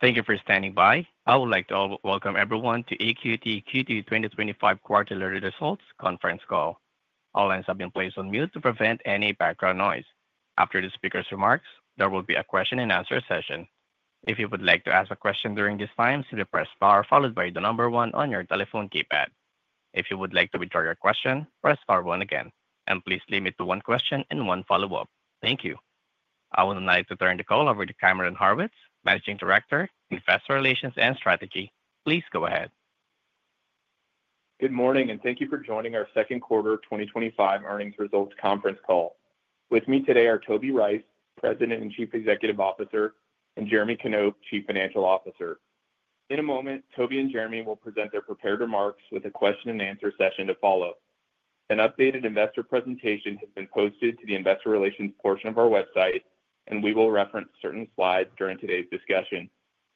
Thank you for standing by. I would like to welcome everyone to EQT Q2 2025 quarterly results conference call. All lines have been placed on mute to prevent any background noise. After the speaker's remarks, there will be a question and answer session. If you would like to ask a question during this time, simply press star followed by the number one on your telephone keypad. If you would like to withdraw your question, press star one again. Please limit to one question and one follow-up. Thank you. I would like to turn the call over to Cameron Horwitz, Managing Director, Investor Relations and Strategy. Please go ahead. Good morning, and thank you for joining our second quarter 2025 earnings results conference call. With me today are Toby Rice, President and Chief Executive Officer, and Jeremy Knope, Chief Financial Officer. In a moment, Toby and Jeremy will present their prepared remarks with a question and answer session to follow. An updated investor presentation has been posted to the investor relations portion of our website, and we will reference certain slides during today's discussion.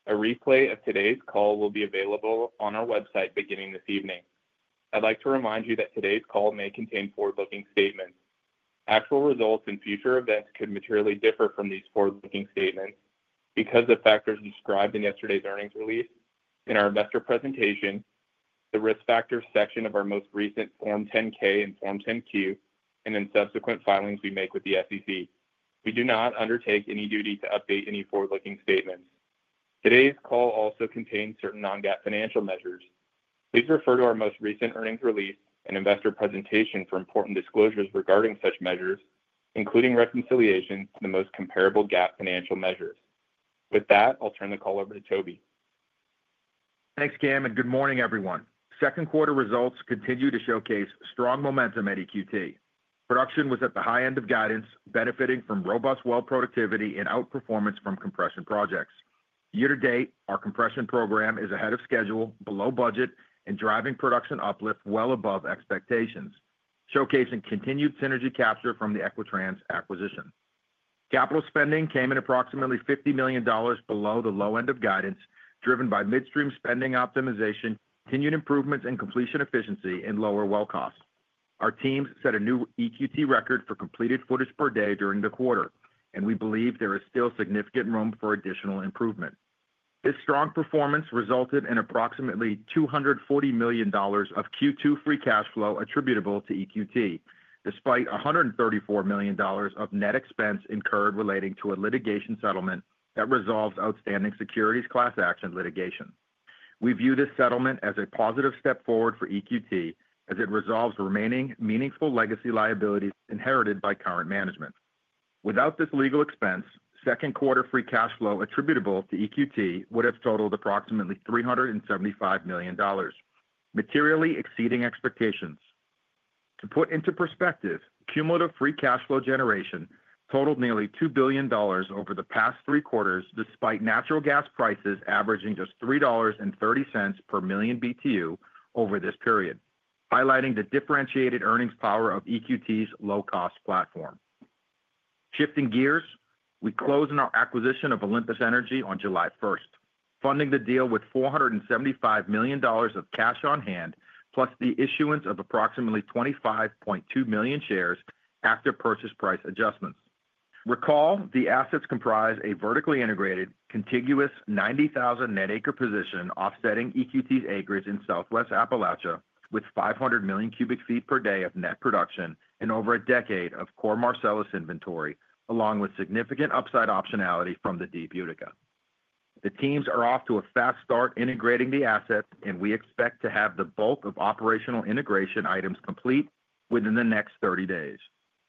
A replay of today's call will be available on our website beginning this evening. I'd like to remind you that today's call may contain forward-looking statements. Actual results and future events could materially differ from these forward-looking statements because of factors described in yesterday's earnings release, in our investor presentation, the risk factors section of our most recent Form 10-K and Form 10-Q, and in subsequent filings we make with the SEC. We do not undertake any duty to update any forward-looking statements. Today's call also contains certain non-GAAP financial measures. Please refer to our most recent earnings release and investor presentation for important disclosures regarding such measures, including reconciliation to the most comparable GAAP financial measures. With that, I'll turn the call over to Toby. Thanks, Cam, and good morning, everyone. Second quarter results continue to showcase strong momentum at EQT. Production was at the high end of guidance, benefiting from robust well productivity and outperformance from compression projects. Year to date, our compression program is ahead of schedule, below budget, and driving production uplift well above expectations, showcasing continued synergy capture from the Equitrans acquisition. Capital spending came in approximately $50 million below the low end of guidance, driven by midstream spending optimization, continued improvements in completion efficiency, and lower well costs. Our teams set a new EQT record for completed footage per day during the quarter, and we believe there is still significant room for additional improvement. This strong performance resulted in approximately $240 million of Q2 free cash flow attributable to EQT, despite $134 million of net expense incurred relating to a litigation settlement that resolves outstanding securities class action litigation. We view this settlement as a positive step forward for EQT, as it resolves remaining meaningful legacy liabilities inherited by current management. Without this legal expense, second quarter free cash flow attributable to EQT would have totaled approximately $375 million, materially exceeding expectations. To put into perspective, cumulative free cash flow generation totaled nearly $2 billion over the past three quarters, despite natural gas prices averaging just $3.30 per million BTU over this period, highlighting the differentiated earnings power of EQT's low-cost platform. Shifting gears, we close in our acquisition of Olympus Energy on July 1, funding the deal with $475 million of cash on hand, plus the issuance of approximately 25.2 million shares after purchase price adjustments. Recall, the assets comprise a vertically integrated contiguous 90,000 net acre position offsetting EQT's acreage in southwest Appalachia with 500 million cu ft per day of net production and over a decade of core Marcellus inventory, along with significant upside optionality from the deep Utica. The teams are off to a fast start integrating the assets, and we expect to have the bulk of operational integration items complete within the next 30 days.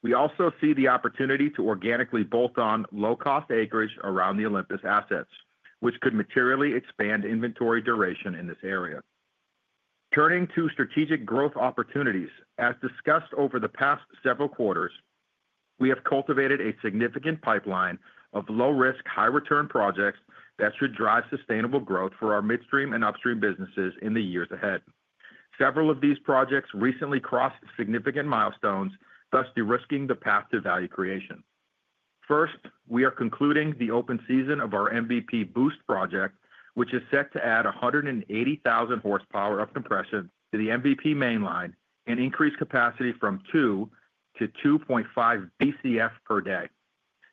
We also see the opportunity to organically bolt on low-cost acreage around the Olympus assets, which could materially expand inventory duration in this area. Turning to strategic growth opportunities, as discussed over the past several quarters, we have cultivated a significant pipeline of low-risk, high-return projects that should drive sustainable growth for our midstream and upstream businesses in the years ahead. Several of these projects recently crossed significant milestones, thus de-risking the path to value creation. First, we are concluding the open season of our MVP Boost project, which is set to add 180,000 horsepower of compression to the MVP mainline and increase capacity from 2 to 2.5 Bcf per day.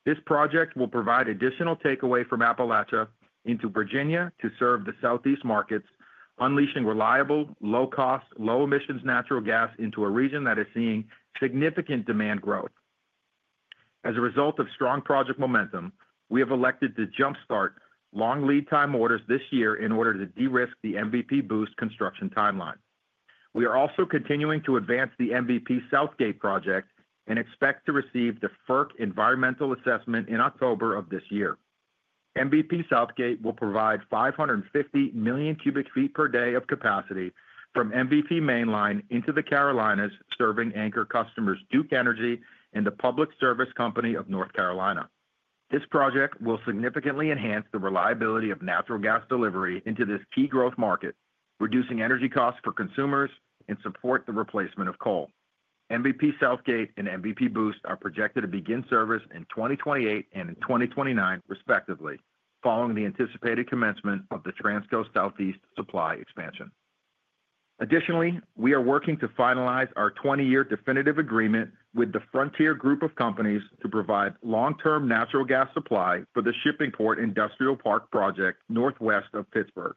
This project will provide additional takeaway from Appalachia into Virginia to serve the southeast markets, unleashing reliable, low-cost, low-emissions natural gas into a region that is seeing significant demand growth. As a result of strong project momentum, we have elected to jump-start long lead time orders this year in order to de-risk the MVP Boost construction timeline. We are also continuing to advance the MVP Southgate project and expect to receive the FERC environmental assessment in October of this year. MVP Southgate will provide 550 million cu ft per day of capacity from MVP mainline into the Carolinas, serving anchor customers Duke Energy and the Public Service Company of North Carolina. This project will significantly enhance the reliability of natural gas delivery into this key growth market, reducing energy costs for consumers and support the replacement of coal. MVP Southgate and MVP Boost are projected to begin service in 2028 and in 2029, respectively, following the anticipated commencement of the Transcoast Southeast supply expansion. Additionally, we are working to finalize our 20-year definitive agreement with the Frontier Group of Companies to provide long-term natural gas supply for the Shipping Port Industrial Park project northwest of Pittsburgh.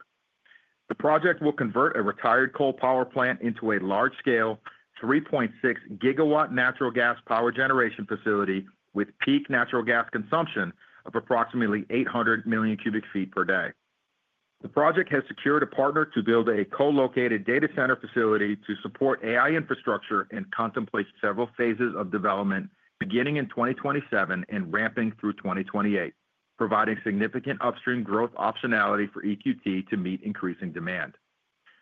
The project will convert a retired coal power plant into a large-scale 3.6 gigawatt natural gas power generation facility with peak natural gas consumption of approximately 800 million cu ft per day. The project has secured a partner to build a co-located data center facility to support AI infrastructure and contemplate several phases of development beginning in 2027 and ramping through 2028, providing significant upstream growth optionality for EQT to meet increasing demand.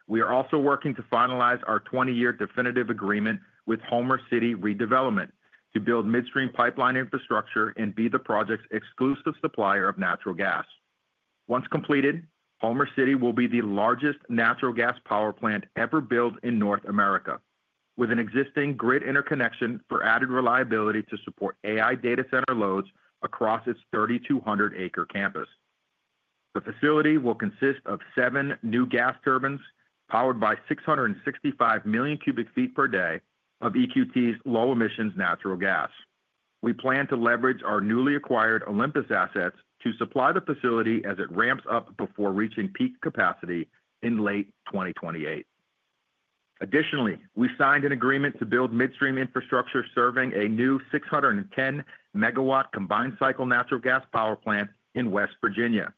We are also working to finalize our 20-year definitive agreement with Homer City Redevelopment to build midstream pipeline infrastructure and be the project's exclusive supplier of natural gas. Once completed, Homer City will be the largest natural gas power plant ever built in North America, with an existing grid interconnection for added reliability to support AI data center loads across its 3,200-acre campus. The facility will consist of seven new gas turbines powered by 665 million cu ft per day of EQT's low-emissions natural gas. We plan to leverage our newly acquired Olympus assets to supply the facility as it ramps up before reaching peak capacity in late 2028. Additionally, we signed an agreement to build midstream infrastructure serving a new 610 megawatt combined cycle natural gas power plant in West Virginia,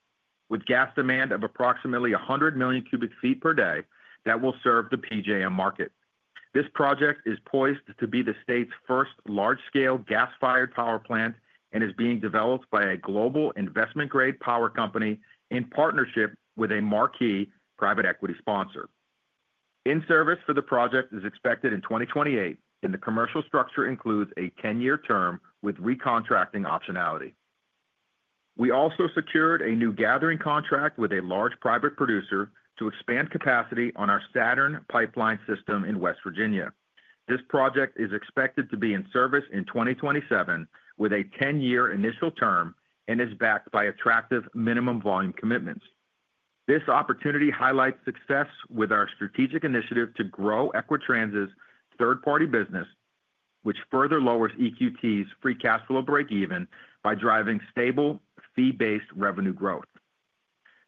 with gas demand of approximately 100 million cu ft per day that will serve the PJM market. This project is poised to be the state's first large-scale gas-fired power plant and is being developed by a global investment-grade power company in partnership with a marquee private equity sponsor. In-service for the project is expected in 2028, and the commercial structure includes a 10-year term with recontracting optionality. We also secured a new gathering contract with a large private producer to expand capacity on our Saturn pipeline system in West Virginia. This project is expected to be in service in 2027 with a 10-year initial term and is backed by attractive minimum volume commitments. This opportunity highlights success with our strategic initiative to grow Equitrans's third-party business. Which further lowers EQT's free cash flow breakeven by driving stable, fee-based revenue growth.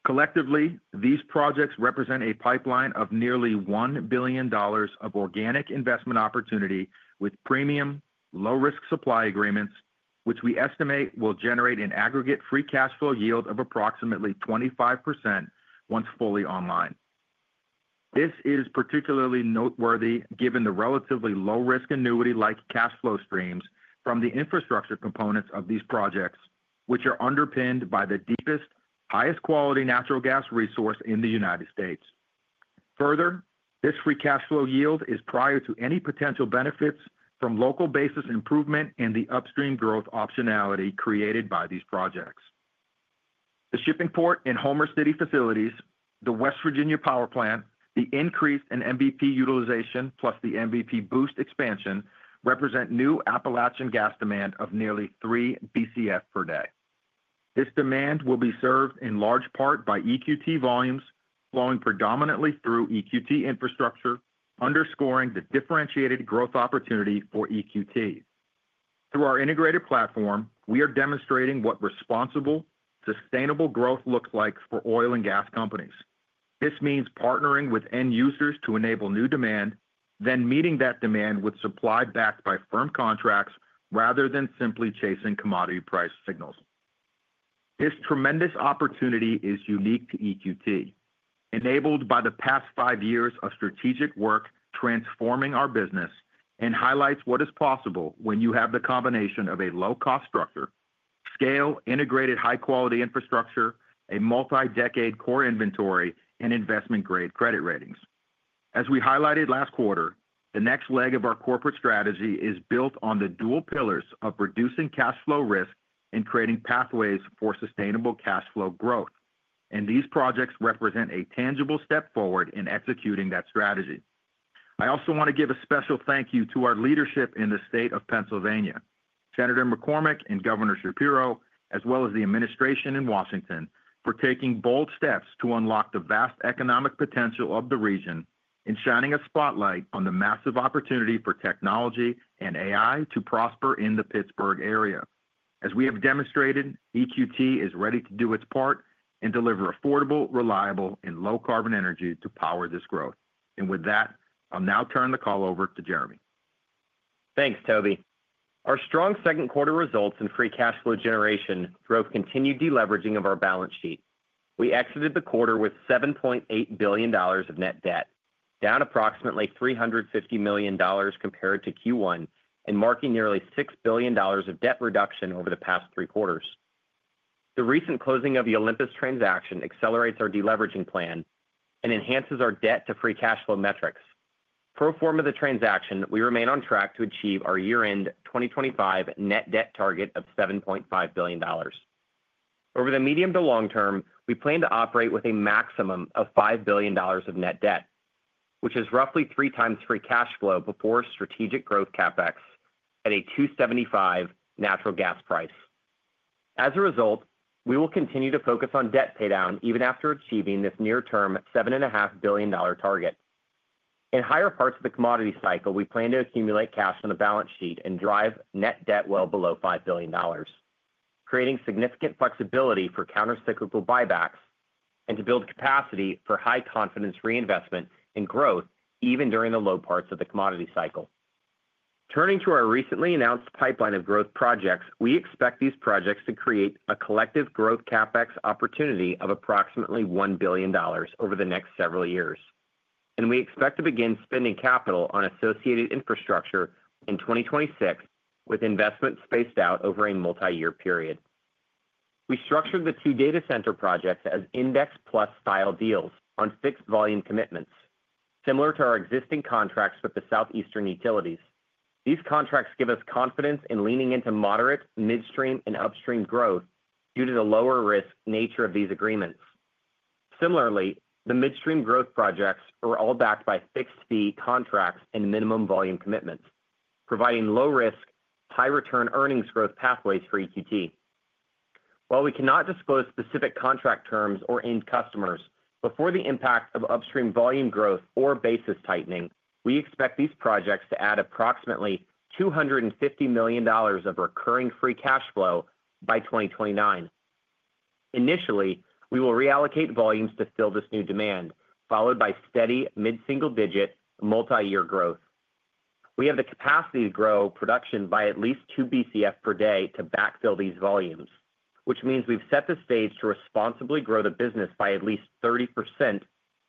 Collectively, these projects represent a pipeline of nearly $1 billion of organic investment opportunity with premium, low-risk supply agreements, which we estimate will generate an aggregate free cash flow yield of approximately 25% once fully online. This is particularly noteworthy given the relatively low-risk annuity-like cash flow streams from the infrastructure components of these projects, which are underpinned by the deepest, highest-quality natural gas resource in the United States. Further, this free cash flow yield is prior to any potential benefits from local basis improvement and the upstream growth optionality created by these projects. The Shipping Port and Homer City facilities, the West Virginia power plant, the increased MVP utilization, plus the MVP Boost expansion represent new Appalachian gas demand of nearly 3 Bcf per day. This demand will be served in large part by EQT volumes flowing predominantly through EQT infrastructure, underscoring the differentiated growth opportunity for EQT. Through our integrated platform, we are demonstrating what responsible, sustainable growth looks like for oil and gas companies. This means partnering with end users to enable new demand, then meeting that demand with supply backed by firm contracts rather than simply chasing commodity price signals. This tremendous opportunity is unique to EQT, enabled by the past five years of strategic work transforming our business and highlights what is possible when you have the combination of a low-cost structure, scale, integrated high-quality infrastructure, a multi-decade core inventory, and investment-grade credit ratings. As we highlighted last quarter, the next leg of our corporate strategy is built on the dual pillars of reducing cash flow risk and creating pathways for sustainable cash flow growth, and these projects represent a tangible step forward in executing that strategy. I also want to give a special thank you to our leadership in the state of Pennsylvania, Senator McCormick and Governor Shapiro, as well as the administration in Washington for taking bold steps to unlock the vast economic potential of the region and shining a spotlight on the massive opportunity for technology and AI to prosper in the Pittsburgh area. As we have demonstrated, EQT is ready to do its part and deliver affordable, reliable, and low-carbon energy to power this growth. With that, I'll now turn the call over to Jeremy. Thanks, Toby. Our strong second quarter results in free cash flow generation drove continued deleveraging of our balance sheet. We exited the quarter with $7.8 billion of net debt, down approximately $350 million compared to Q1 and marking nearly $6 billion of debt reduction over the past three quarters. The recent closing of the Olympus transaction accelerates our deleveraging plan and enhances our debt-to-free cash flow metrics. Pro forma of the transaction, we remain on track to achieve our year-end 2025 net debt target of $7.5 billion. Over the medium to long term, we plan to operate with a maximum of $5 billion of net debt, which is roughly three times free cash flow before strategic growth CapEx at a $275 natural gas price. As a result, we will continue to focus on debt paydown even after achieving this near-term $7.5 billion target. In higher parts of the commodity cycle, we plan to accumulate cash on the balance sheet and drive net debt well below $5 billion, creating significant flexibility for countercyclical buybacks and to build capacity for high-confidence reinvestment and growth even during the low parts of the commodity cycle. Turning to our recently announced pipeline of growth projects, we expect these projects to create a collective growth CapEx opportunity of approximately $1 billion over the next several years, and we expect to begin spending capital on associated infrastructure in 2026 with investment spaced out over a multi-year period. We structured the two data center projects as index-plus style deals on fixed volume commitments, similar to our existing contracts with the Southeastern Utilities. These contracts give us confidence in leaning into moderate, midstream, and upstream growth due to the lower-risk nature of these agreements. Similarly, the midstream growth projects are all backed by fixed-fee contracts and minimum volume commitments, providing low-risk, high-return earnings growth pathways for EQT. While we cannot disclose specific contract terms or end customers, before the impact of upstream volume growth or basis tightening, we expect these projects to add approximately $250 million of recurring free cash flow by 2029. Initially, we will reallocate volumes to fill this new demand, followed by steady mid-single-digit multi-year growth. We have the capacity to grow production by at least 2 Bcf per day to backfill these volumes, which means we've set the stage to responsibly grow the business by at least 30%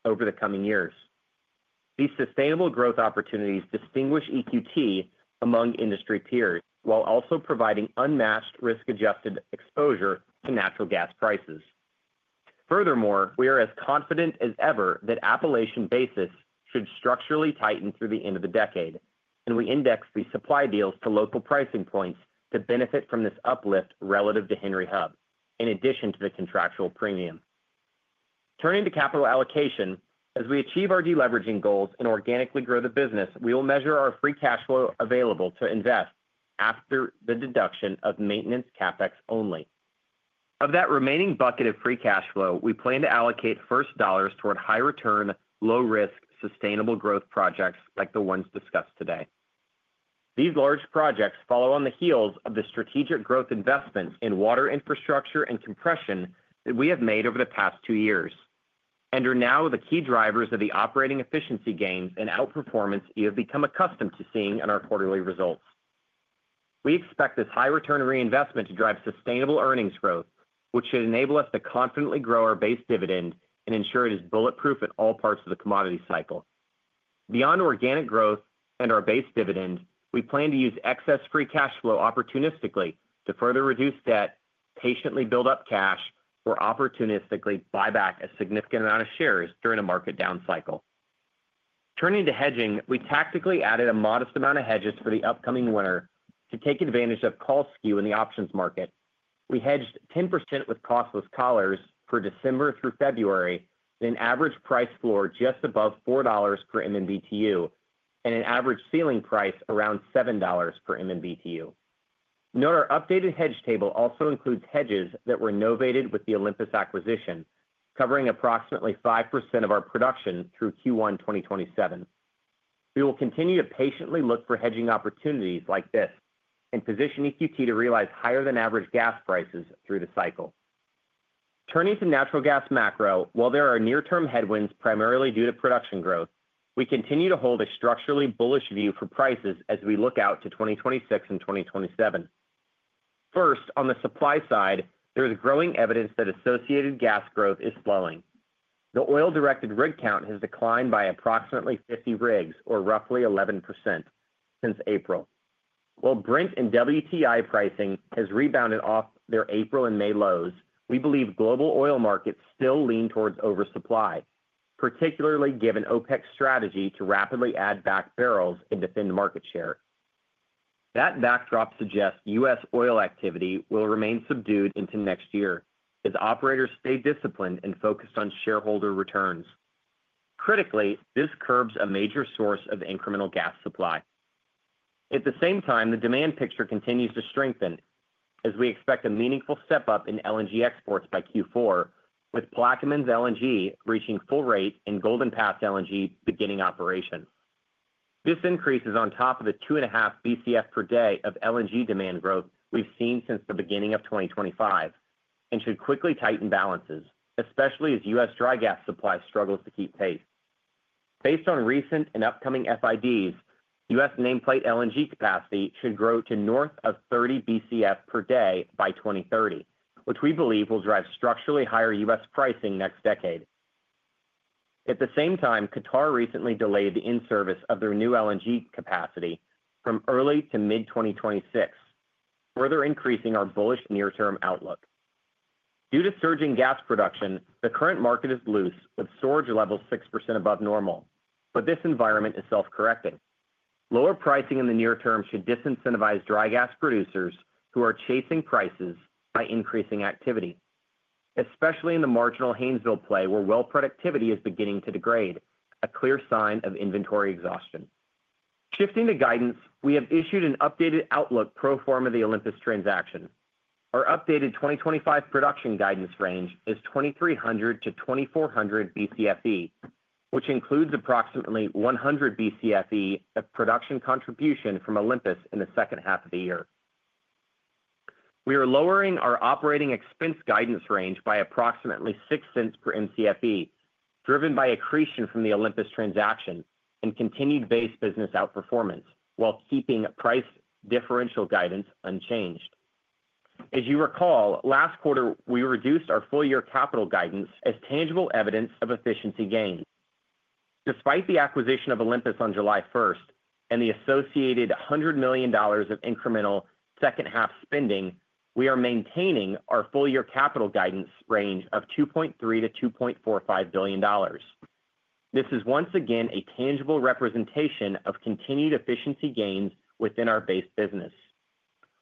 over the coming years. These sustainable growth opportunities distinguish EQT among industry peers while also providing unmatched risk-adjusted exposure to natural gas prices. Furthermore, we are as confident as ever that Appalachian basis should structurally tighten through the end of the decade, and we index the supply deals to local pricing points to benefit from this uplift relative to Henry Hub, in addition to the contractual premium. Turning to capital allocation, as we achieve our deleveraging goals and organically grow the business, we will measure our free cash flow available to invest after the deduction of maintenance CapEx only. Of that remaining bucket of free cash flow, we plan to allocate first dollars toward high-return, low-risk, sustainable growth projects like the ones discussed today. These large projects follow on the heels of the strategic growth investments in water infrastructure and compression that we have made over the past two years and are now the key drivers of the operating efficiency gains and outperformance you have become accustomed to seeing in our quarterly results. We expect this high-return reinvestment to drive sustainable earnings growth, which should enable us to confidently grow our base dividend and ensure it is bulletproof in all parts of the commodity cycle. Beyond organic growth and our base dividend, we plan to use excess free cash flow opportunistically to further reduce debt, patiently build up cash, or opportunistically buy back a significant amount of shares during a market down cycle. Turning to hedging, we tactically added a modest amount of hedges for the upcoming winter to take advantage of call skew in the options market. We hedged 10% with costless collars for December through February, an average price floor just above $4 per MMBtu, and an average ceiling price around $7 per MMBtu. Note our updated hedge table also includes hedges that were novated with the Olympus acquisition, covering approximately 5% of our production through Q1 2027. We will continue to patiently look for hedging opportunities like this and position EQT to realize higher-than-average gas prices through the cycle. Turning to natural gas macro, while there are near-term headwinds primarily due to production growth, we continue to hold a structurally bullish view for prices as we look out to 2026 and 2027. First, on the supply side, there is growing evidence that associated gas growth is slowing. The oil-directed rig count has declined by approximately 50 rigs, or roughly 11%, since April. While Brent and WTI pricing has rebounded off their April and May lows, we believe global oil markets still lean towards oversupply, particularly given OPEC's strategy to rapidly add back barrels and defend market share. That backdrop suggests U.S. oil activity will remain subdued into next year as operators stay disciplined and focused on shareholder returns. Critically, this curbs a major source of incremental gas supply. At the same time, the demand picture continues to strengthen as we expect a meaningful step up in LNG exports by Q4, with Plaquemines LNG reaching full rate and Golden Pass LNG beginning operation. This increase is on top of the 2.5 Bcf per day of LNG demand growth we've seen since the beginning of 2025 and should quickly tighten balances, especially as U.S. dry gas supply struggles to keep pace. Based on recent and upcoming FIDs, U.S. nameplate LNG capacity should grow to north of 30 Bcf per day by 2030, which we believe will drive structurally higher U.S. pricing next decade. At the same time, Qatar recently delayed the in-service of their new LNG capacity from early to mid-2026. Further increasing our bullish near-term outlook. Due to surging gas production, the current market is loose with storage levels 6% above normal, but this environment is self-correcting. Lower pricing in the near term should disincentivize dry gas producers who are chasing prices by increasing activity, especially in the marginal Haynesville play where well productivity is beginning to degrade, a clear sign of inventory exhaustion. Shifting to guidance, we have issued an updated outlook pro forma of the Olympus transaction. Our updated 2025 production guidance range is 2,300-2,400 Bcfe, which includes approximately 100 Bcfe of production contribution from Olympus in the second half of the year. We are lowering our operating expense guidance range by approximately $0.06 per Mcfe, driven by accretion from the Olympus transaction and continued base business outperformance while keeping price differential guidance unchanged. As you recall, last quarter, we reduced our full-year capital guidance as tangible evidence of efficiency gain. Despite the acquisition of Olympus on July 1 and the associated $100 million of incremental second half spending, we are maintaining our full-year capital guidance range of $2.3 billion-$2.45 billion. This is once again a tangible representation of continued efficiency gains within our base business.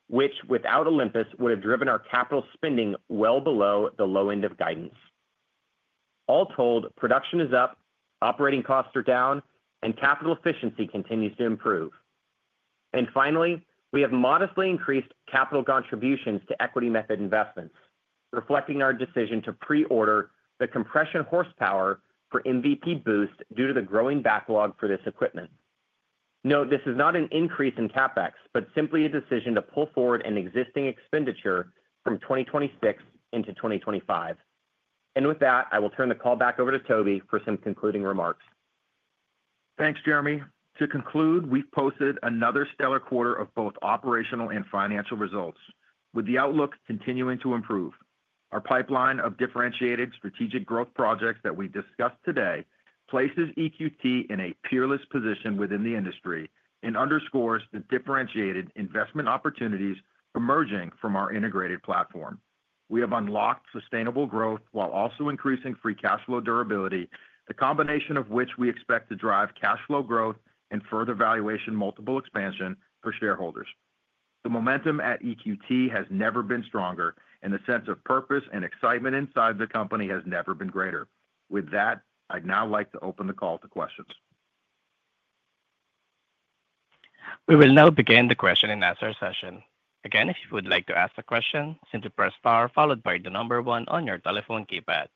Which, without Olympus, would have driven our capital spending well below the low end of guidance. All told, production is up, operating costs are down, and capital efficiency continues to improve. Finally, we have modestly increased capital contributions to equity method investments, reflecting our decision to pre-order the compression horsepower for MVP Boost due to the growing backlog for this equipment. Note, this is not an increase in CapEx, but simply a decision to pull forward an existing expenditure from 2026 into 2025. With that, I will turn the call back over to Toby for some concluding remarks. Thanks, Jeremy. To conclude, we've posted another stellar quarter of both operational and financial results, with the outlook continuing to improve. Our pipeline of differentiated strategic growth projects that we discussed today places EQT in a peerless position within the industry and underscores the differentiated investment opportunities emerging from our integrated platform. We have unlocked sustainable growth while also increasing free cash flow durability, the combination of which we expect to drive cash flow growth and further valuation multiple expansion for shareholders. The momentum at EQT has never been stronger, and the sense of purpose and excitement inside the company has never been greater. With that, I'd now like to open the call to questions. We will now begin the question and answer session. Again, if you would like to ask a question, simply press star followed by the number one on your telephone keypad.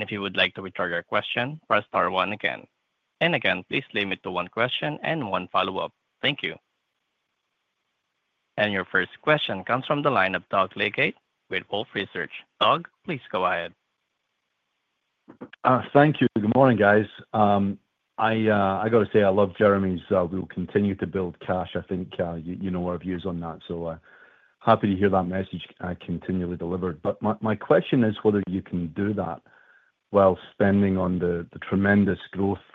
If you would like to withdraw your question, press star one again. Please limit to one question and one follow-up. Thank you. Your first question comes from the line of Doug Leggate with Wolfe Research. Doug, please go ahead. Thank you. Good morning, guys. I got to say I love Jeremy's, "We will continue to build cash." I think you know our views on that, so happy to hear that message continually delivered. My question is whether you can do that while spending on the tremendous growth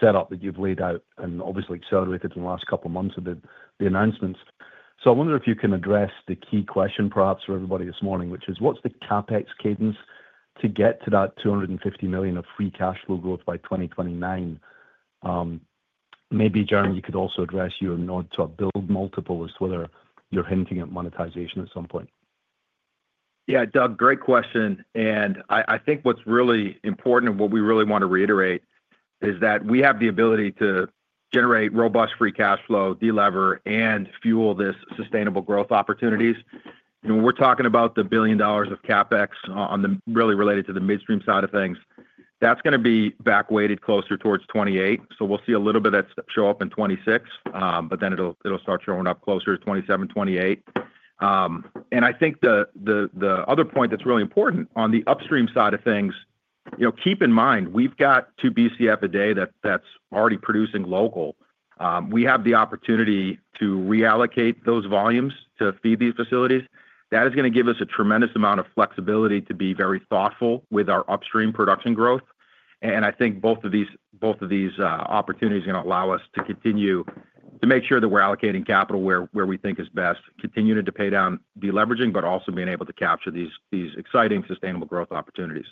setup that you've laid out and obviously accelerated in the last couple of months with the announcements. I wonder if you can address the key question perhaps for everybody this morning, which is, what's the CapEx cadence to get to that $250 million of free cash flow growth by 2029? Maybe, Jeremy, you could also address your nod to a build multiple as to whether you're hinting at monetization at some point. Yeah, Doug, great question. I think what's really important and what we really want to reiterate is that we have the ability to generate robust free cash flow, delever, and fuel these sustainable growth opportunities. When we're talking about the billion dollars of CapEx really related to the midstream side of things, that's going to be back weighted closer towards 2028. We will see a little bit of that show up in 2026, but then it will start showing up closer to 2027, 2028. I think the other point that's really important on the upstream side of things, keep in mind, we've got 2 Bcf a day that's already producing local. We have the opportunity to reallocate those volumes to feed these facilities. That is going to give us a tremendous amount of flexibility to be very thoughtful with our upstream production growth. I think both of these opportunities are going to allow us to continue to make sure that we're allocating capital where we think is best, continuing to pay down deleveraging, but also being able to capture these exciting sustainable growth opportunities.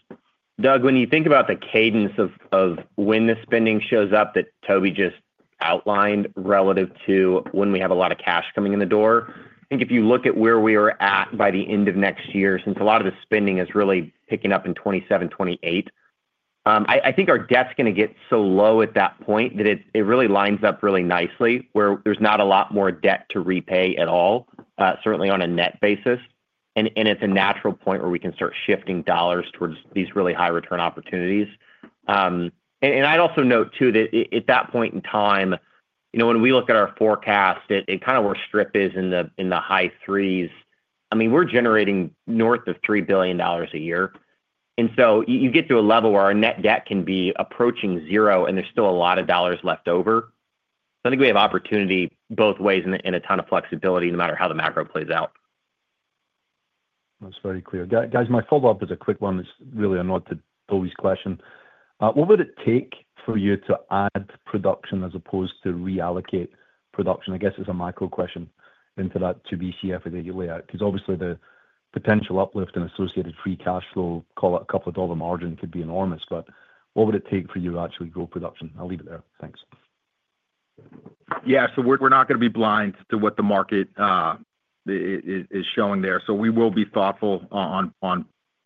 Doug, when you think about the cadence of when the spending shows up that Toby just outlined relative to when we have a lot of cash coming in the door, I think if you look at where we are at by the end of next year, since a lot of the spending is really picking up in 2027, 2028. I think our debt's going to get so low at that point that it really lines up really nicely where there's not a lot more debt to repay at all, certainly on a net basis. It is a natural point where we can start shifting dollars towards these really high return opportunities. I would also note too that at that point in time, when we look at our forecast, kind of where Strip is in the high threes, I mean, we're generating north of $3 billion a year. You get to a level where our net debt can be approaching zero and there's still a lot of dollars left over. I think we have opportunity both ways and a ton of flexibility no matter how the macro plays out. That's very clear. Guys, my follow-up is a quick one that's really a nod to Toby's question. What would it take for you to add production as opposed to reallocate production? I guess it's a micro question into that 2 Bcf a day layout because obviously the potential uplift in associated free cash flow, call it a couple of dollar margin, could be enormous. What would it take for you to actually grow production? I'll leave it there. Thanks. Yeah, so we're not going to be blind to what the market is showing there. We will be thoughtful on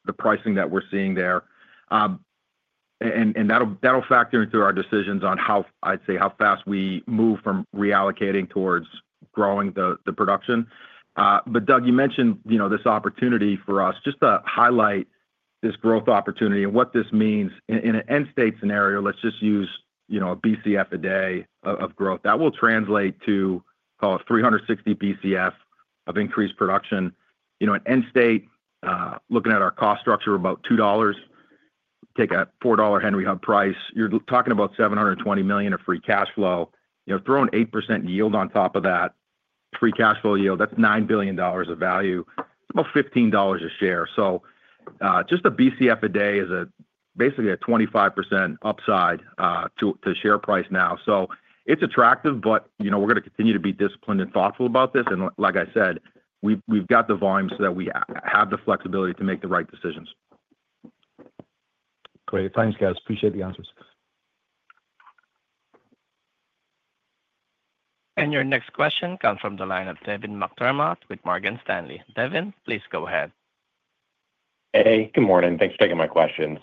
the pricing that we're seeing there, and that'll factor into our decisions on, I'd say, how fast we move from reallocating towards growing the production. Doug, you mentioned this opportunity for us just to highlight this growth opportunity and what this means in an end state scenario. Let's just use a Bcf a day of growth. That will translate to, call it, 360 Bcf of increased production. An end state, looking at our cost structure, about $2. Take a $4 Henry Hub price. You're talking about $720 million of free cash flow. Throw an 8% yield on top of that. Free cash flow yield, that's $9 billion of value. It's about $15 a share. Just a Bcf a day is basically a 25% upside to share price now. It's attractive, but we're going to continue to be disciplined and thoughtful about this. Like I said, we've got the volumes so that we have the flexibility to make the right decisions. Great. Thanks, guys. Appreciate the answers. Your next question comes from the line of Devin McDermott with Morgan Stanley. Devin, please go ahead. Hey, good morning. Thanks for taking my questions.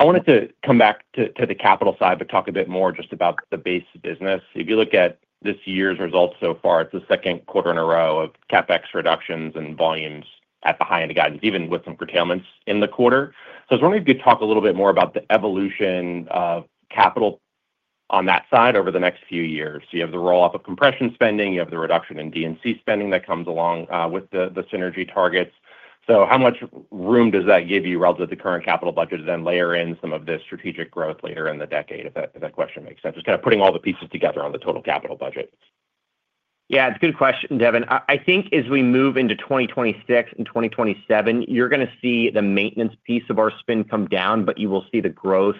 I wanted to come back to the capital side but talk a bit more just about the base business. If you look at this year's results so far, it's the second quarter in a row of CapEx reductions and volumes at the high end of guidance, even with some curtailments in the quarter. I was wondering if you could talk a little bit more about the evolution of capital on that side over the next few years. You have the roll-up of compression spending. You have the reduction in DNC spending that comes along with the synergy targets. How much room does that give you relative to the current capital budget to then layer in some of this strategic growth later in the decade, if that question makes sense? Just kind of putting all the pieces together on the total capital budget. Yeah, it's a good question, Devin. I think as we move into 2026 and 2027, you're going to see the maintenance piece of our spend come down, but you will see the growth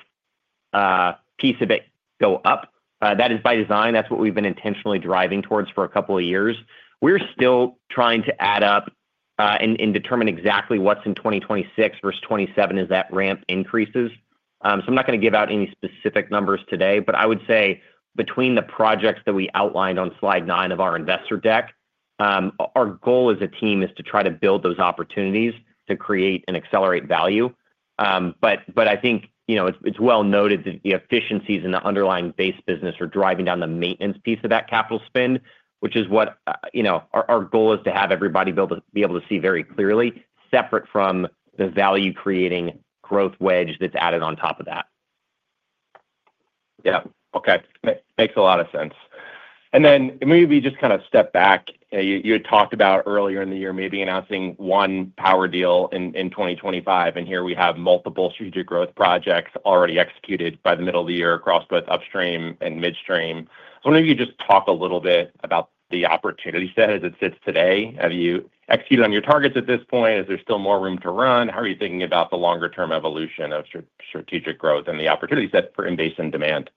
piece of it go up. That is by design. That's what we've been intentionally driving towards for a couple of years. We're still trying to add up and determine exactly what's in 2026 versus 2027 as that ramp increases. I'm not going to give out any specific numbers today, but I would say between the projects that we outlined on slide nine of our investor deck, our goal as a team is to try to build those opportunities to create and accelerate value. I think it's well noted that the efficiencies in the underlying base business are driving down the maintenance piece of that capital spend, which is what our goal is to have everybody be able to see very clearly, separate from the value-creating growth wedge that's added on top of that. Yeah. Okay. Makes a lot of sense. Maybe just kind of step back. You had talked about earlier in the year maybe announcing one power deal in 2025, and here we have multiple strategic growth projects already executed by the middle of the year across both upstream and midstream. I wonder if you could just talk a little bit about the opportunity set as it sits today. Have you executed on your targets at this point? Is there still more room to run? How are you thinking about the longer-term evolution of strategic growth and the opportunity set for inbase and demand?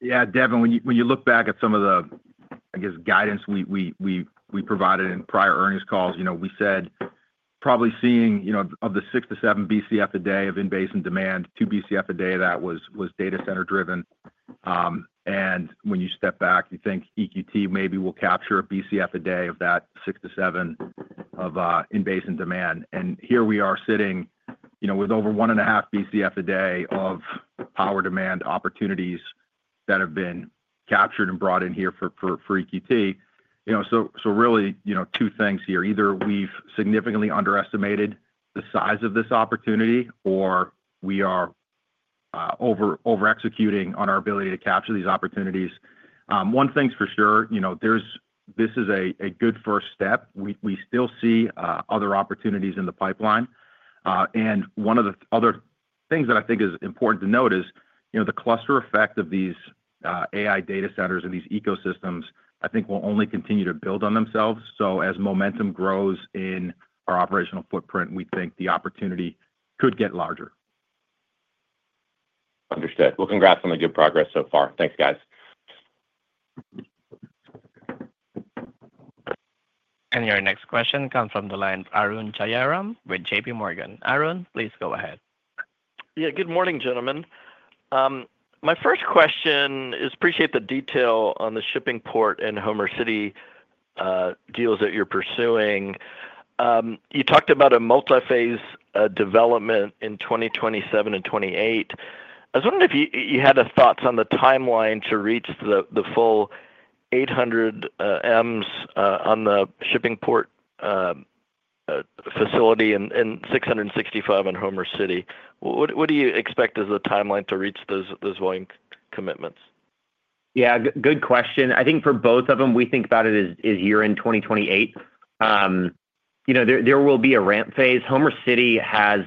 Yeah, Devin, when you look back at some of the, I guess, guidance we provided in prior earnings calls, we said probably seeing of the 6-7 Bcf a day of inbase and demand, 2 Bcf a day of that was data center-driven. When you step back, you think EQT maybe will capture a Bcf a day of that 6-7 of inbase and demand. Here we are sitting with over 1.5 Bcf a day of power demand opportunities that have been captured and brought in here for EQT. Really, two things here. Either we've significantly underestimated the size of this opportunity, or we are overexecuting on our ability to capture these opportunities. One thing's for sure. This is a good first step. We still see other opportunities in the pipeline. One of the other things that I think is important to note is the cluster effect of these AI data centers and these ecosystems, I think, will only continue to build on themselves. As momentum grows in our operational footprint, we think the opportunity could get larger. Understood. Congrats on the good progress so far. Thanks, guys. Your next question comes from the line of Arun Jayaram with JP Morgan. Arun, please go ahead. Yeah, good morning, gentlemen. My first question is, appreciate the detail on the Shipping Port and Homer City deals that you're pursuing. You talked about a multi-phase development in 2027 and 2028. I was wondering if you had thoughts on the timeline to reach the full 800 million on the Shipping Port facility and 665 in Homer City. What do you expect as the timeline to reach those volume commitments? Yeah, good question. I think for both of them, we think about it as year in 2028. There will be a ramp phase. Homer City has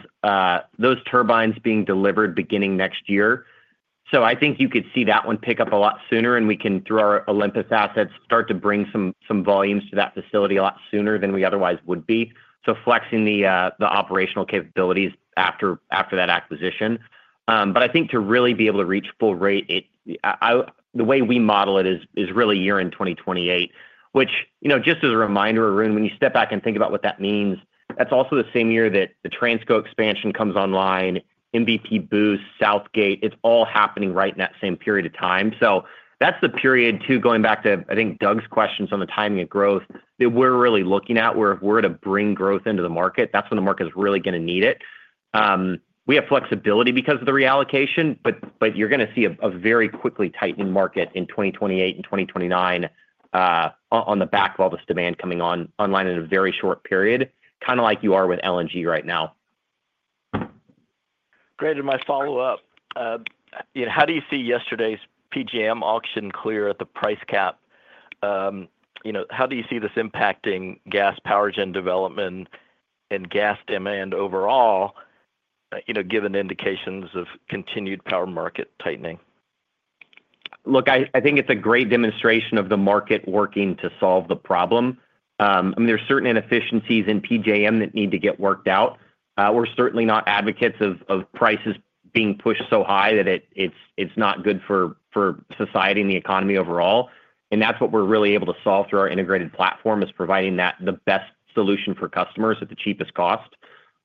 those turbines being delivered beginning next year. I think you could see that one pick up a lot sooner, and we can throw our Olympus assets, start to bring some volumes to that facility a lot sooner than we otherwise would be. Flexing the operational capabilities after that acquisition. I think to really be able to reach full rate, the way we model it is really year in 2028, which just as a reminder, Arun, when you step back and think about what that means, that's also the same year that the Transco expansion comes online, MVP Boost, Southgate, it's all happening right in that same period of time. That's the period too, going back to, I think, Doug's questions on the timing of growth that we're really looking at where if we're to bring growth into the market, that's when the market is really going to need it. We have flexibility because of the reallocation, but you're going to see a very quickly tightening market in 2028 and 2029. On the back of all this demand coming online in a very short period, kind of like you are with LNG right now. Great. My follow-up. How do you see yesterday's PJM auction clear at the price cap? How do you see this impacting gas power gen development, and gas demand overall, given indications of continued power market tightening? Look, I think it's a great demonstration of the market working to solve the problem. I mean, there are certain inefficiencies in PJM that need to get worked out. We're certainly not advocates of prices being pushed so high that it's not good for society and the economy overall. That's what we're really able to solve through our integrated platform, providing the best solution for customers at the cheapest cost.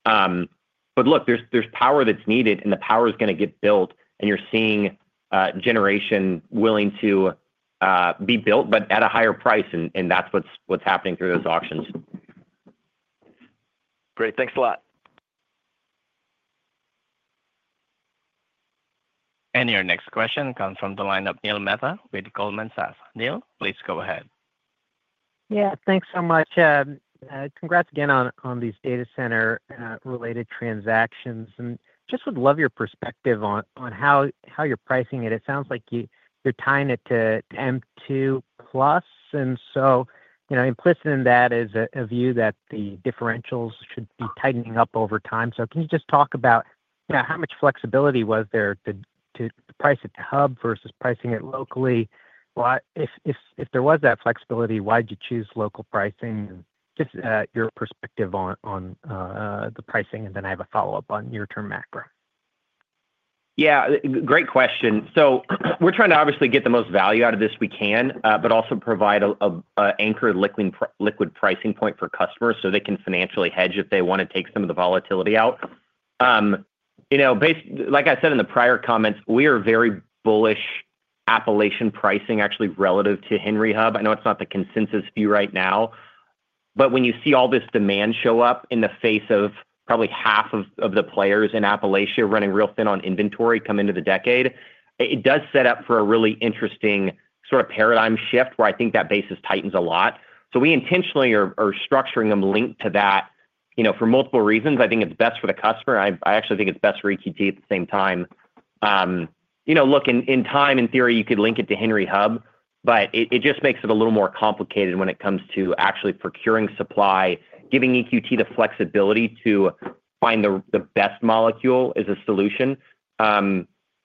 Look, there's power that's needed, and the power is going to get built. You're seeing generation willing to be built, but at a higher price. That's what's happening through those auctions. Great. Thanks a lot. Your next question comes from the line of Neil Mehta with Goldman Sachs. Neil, please go ahead. Yeah, thanks so much, Jeremy. Congrats again on these data center-related transactions. I just would love your perspective on how you're pricing it. It sounds like you're tying it to M2 Plus. Implicit in that is a view that the differentials should be tightening up over time. Can you just talk about how much flexibility was there to price it to hub versus pricing it locally? If there was that flexibility, why did you choose local pricing? Just your perspective on the pricing. I have a follow-up on your term macro. Yeah, great question. So we're trying to obviously get the most value out of this we can, but also provide an anchored liquid pricing point for customers so they can financially hedge if they want to take some of the volatility out. Like I said in the prior comments, we are very bullish Appalachian pricing actually relative to Henry Hub. I know it's not the consensus view right now. When you see all this demand show up in the face of probably half of the players in Appalachia running real thin on inventory come into the decade, it does set up for a really interesting sort of paradigm shift where I think that base is tightened a lot. We intentionally are structuring them linked to that. For multiple reasons, I think it's best for the customer. I actually think it's best for EQT at the same time. Look, in time, in theory, you could link it to Henry Hub, but it just makes it a little more complicated when it comes to actually procuring supply, giving EQT the flexibility to find the best molecule as a solution. As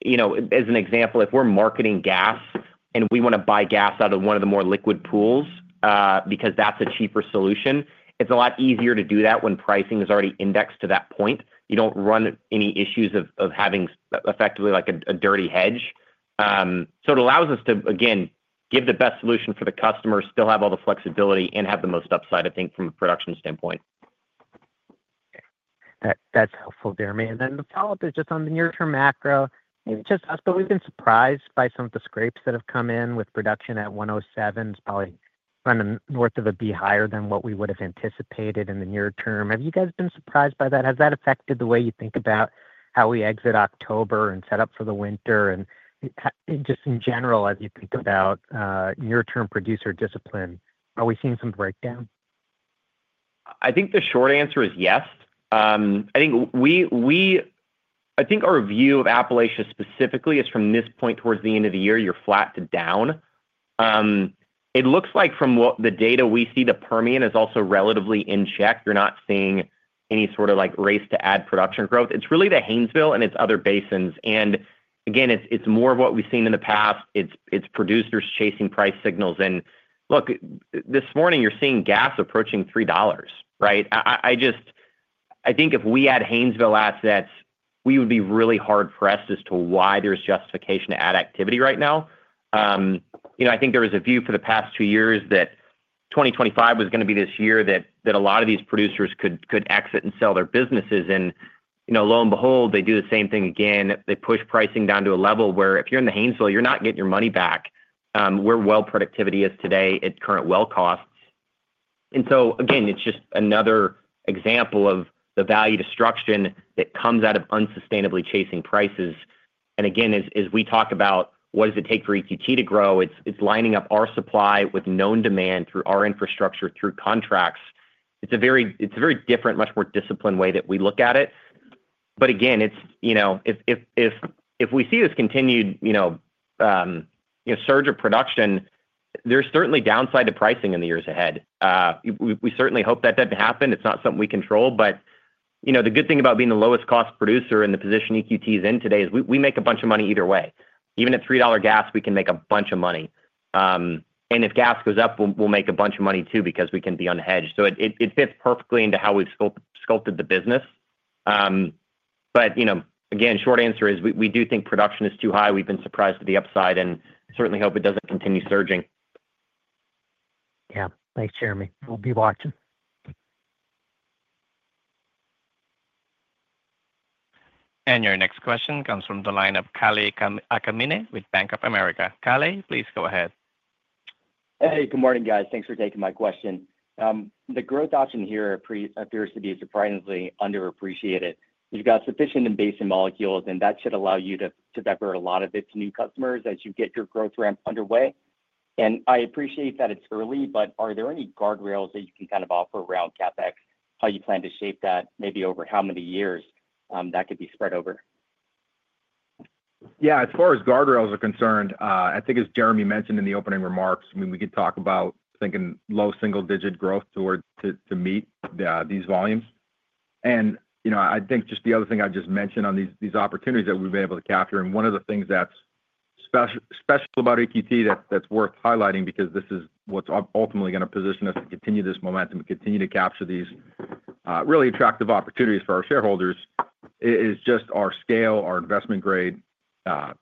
an example, if we're marketing gas and we want to buy gas out of one of the more liquid pools because that's a cheaper solution, it's a lot easier to do that when pricing is already indexed to that point. You don't run any issues of having effectively like a dirty hedge. It allows us to, again, give the best solution for the customer, still have all the flexibility, and have the most upside, I think, from a production standpoint. That's helpful there, man. The follow-up is just on the near-term macro. Maybe just us, but we've been surprised by some of the scrapes that have come in with production at 107. It's probably running north of a beehive than what we would have anticipated in the near term. Have you guys been surprised by that? Has that affected the way you think about how we exit October and set up for the winter? Just in general, as you think about near-term producer discipline, are we seeing some breakdown? I think the short answer is yes. I think our view of Appalachia specifically is from this point towards the end of the year, you're flat to down. It looks like from the data we see, the Permian is also relatively in check. You're not seeing any sort of race to add production growth. It's really the Haynesville and its other basins. Again, it's more of what we've seen in the past. It's producers chasing price signals. Look, this morning, you're seeing gas approaching $3, right? I think if we had Haynesville assets, we would be really hard-pressed as to why there's justification to add activity right now. I think there was a view for the past two years that 2025 was going to be this year that a lot of these producers could exit and sell their businesses. Lo and behold, they do the same thing again. They push pricing down to a level where if you're in the Haynesville, you're not getting your money back, where well productivity is today at current well costs. Again, it's just another example of the value destruction that comes out of unsustainably chasing prices. As we talk about what does it take for EQT to grow, it's lining up our supply with known demand through our infrastructure, through contracts. It's a very different, much more disciplined way that we look at it. Again, if we see this continued surge of production, there's certainly downside to pricing in the years ahead. We certainly hope that doesn't happen. It's not something we control. The good thing about being the lowest-cost producer in the position EQT is in today is we make a bunch of money either way. Even at $3 gas, we can make a bunch of money. If gas goes up, we'll make a bunch of money too because we can be unhedged. It fits perfectly into how we've sculpted the business. Again, short answer is we do think production is too high. We've been surprised to the upside and certainly hope it doesn't continue surging. Yeah. Thanks, Jeremy. We'll be watching. Your next question comes from the line of Kalei Akamine with Bank of America. Kale, please go ahead. Hey, good morning, guys. Thanks for taking my question. The growth option here appears to be surprisingly underappreciated. You've got sufficient inbase and molecules, and that should allow you to pepper a lot of its new customers as you get your growth ramp underway. I appreciate that it's early, but are there any guardrails that you can kind of offer around CapEx, how you plan to shape that maybe over how many years that could be spread over? Yeah, as far as guardrails are concerned, I think, as Jeremy mentioned in the opening remarks, I mean, we could talk about thinking low single-digit growth to meet these volumes. I think just the other thing I just mentioned on these opportunities that we've been able to capture, and one of the things that's special about EQT that's worth highlighting because this is what's ultimately going to position us to continue this momentum and continue to capture these really attractive opportunities for our shareholders is just our scale, our investment grade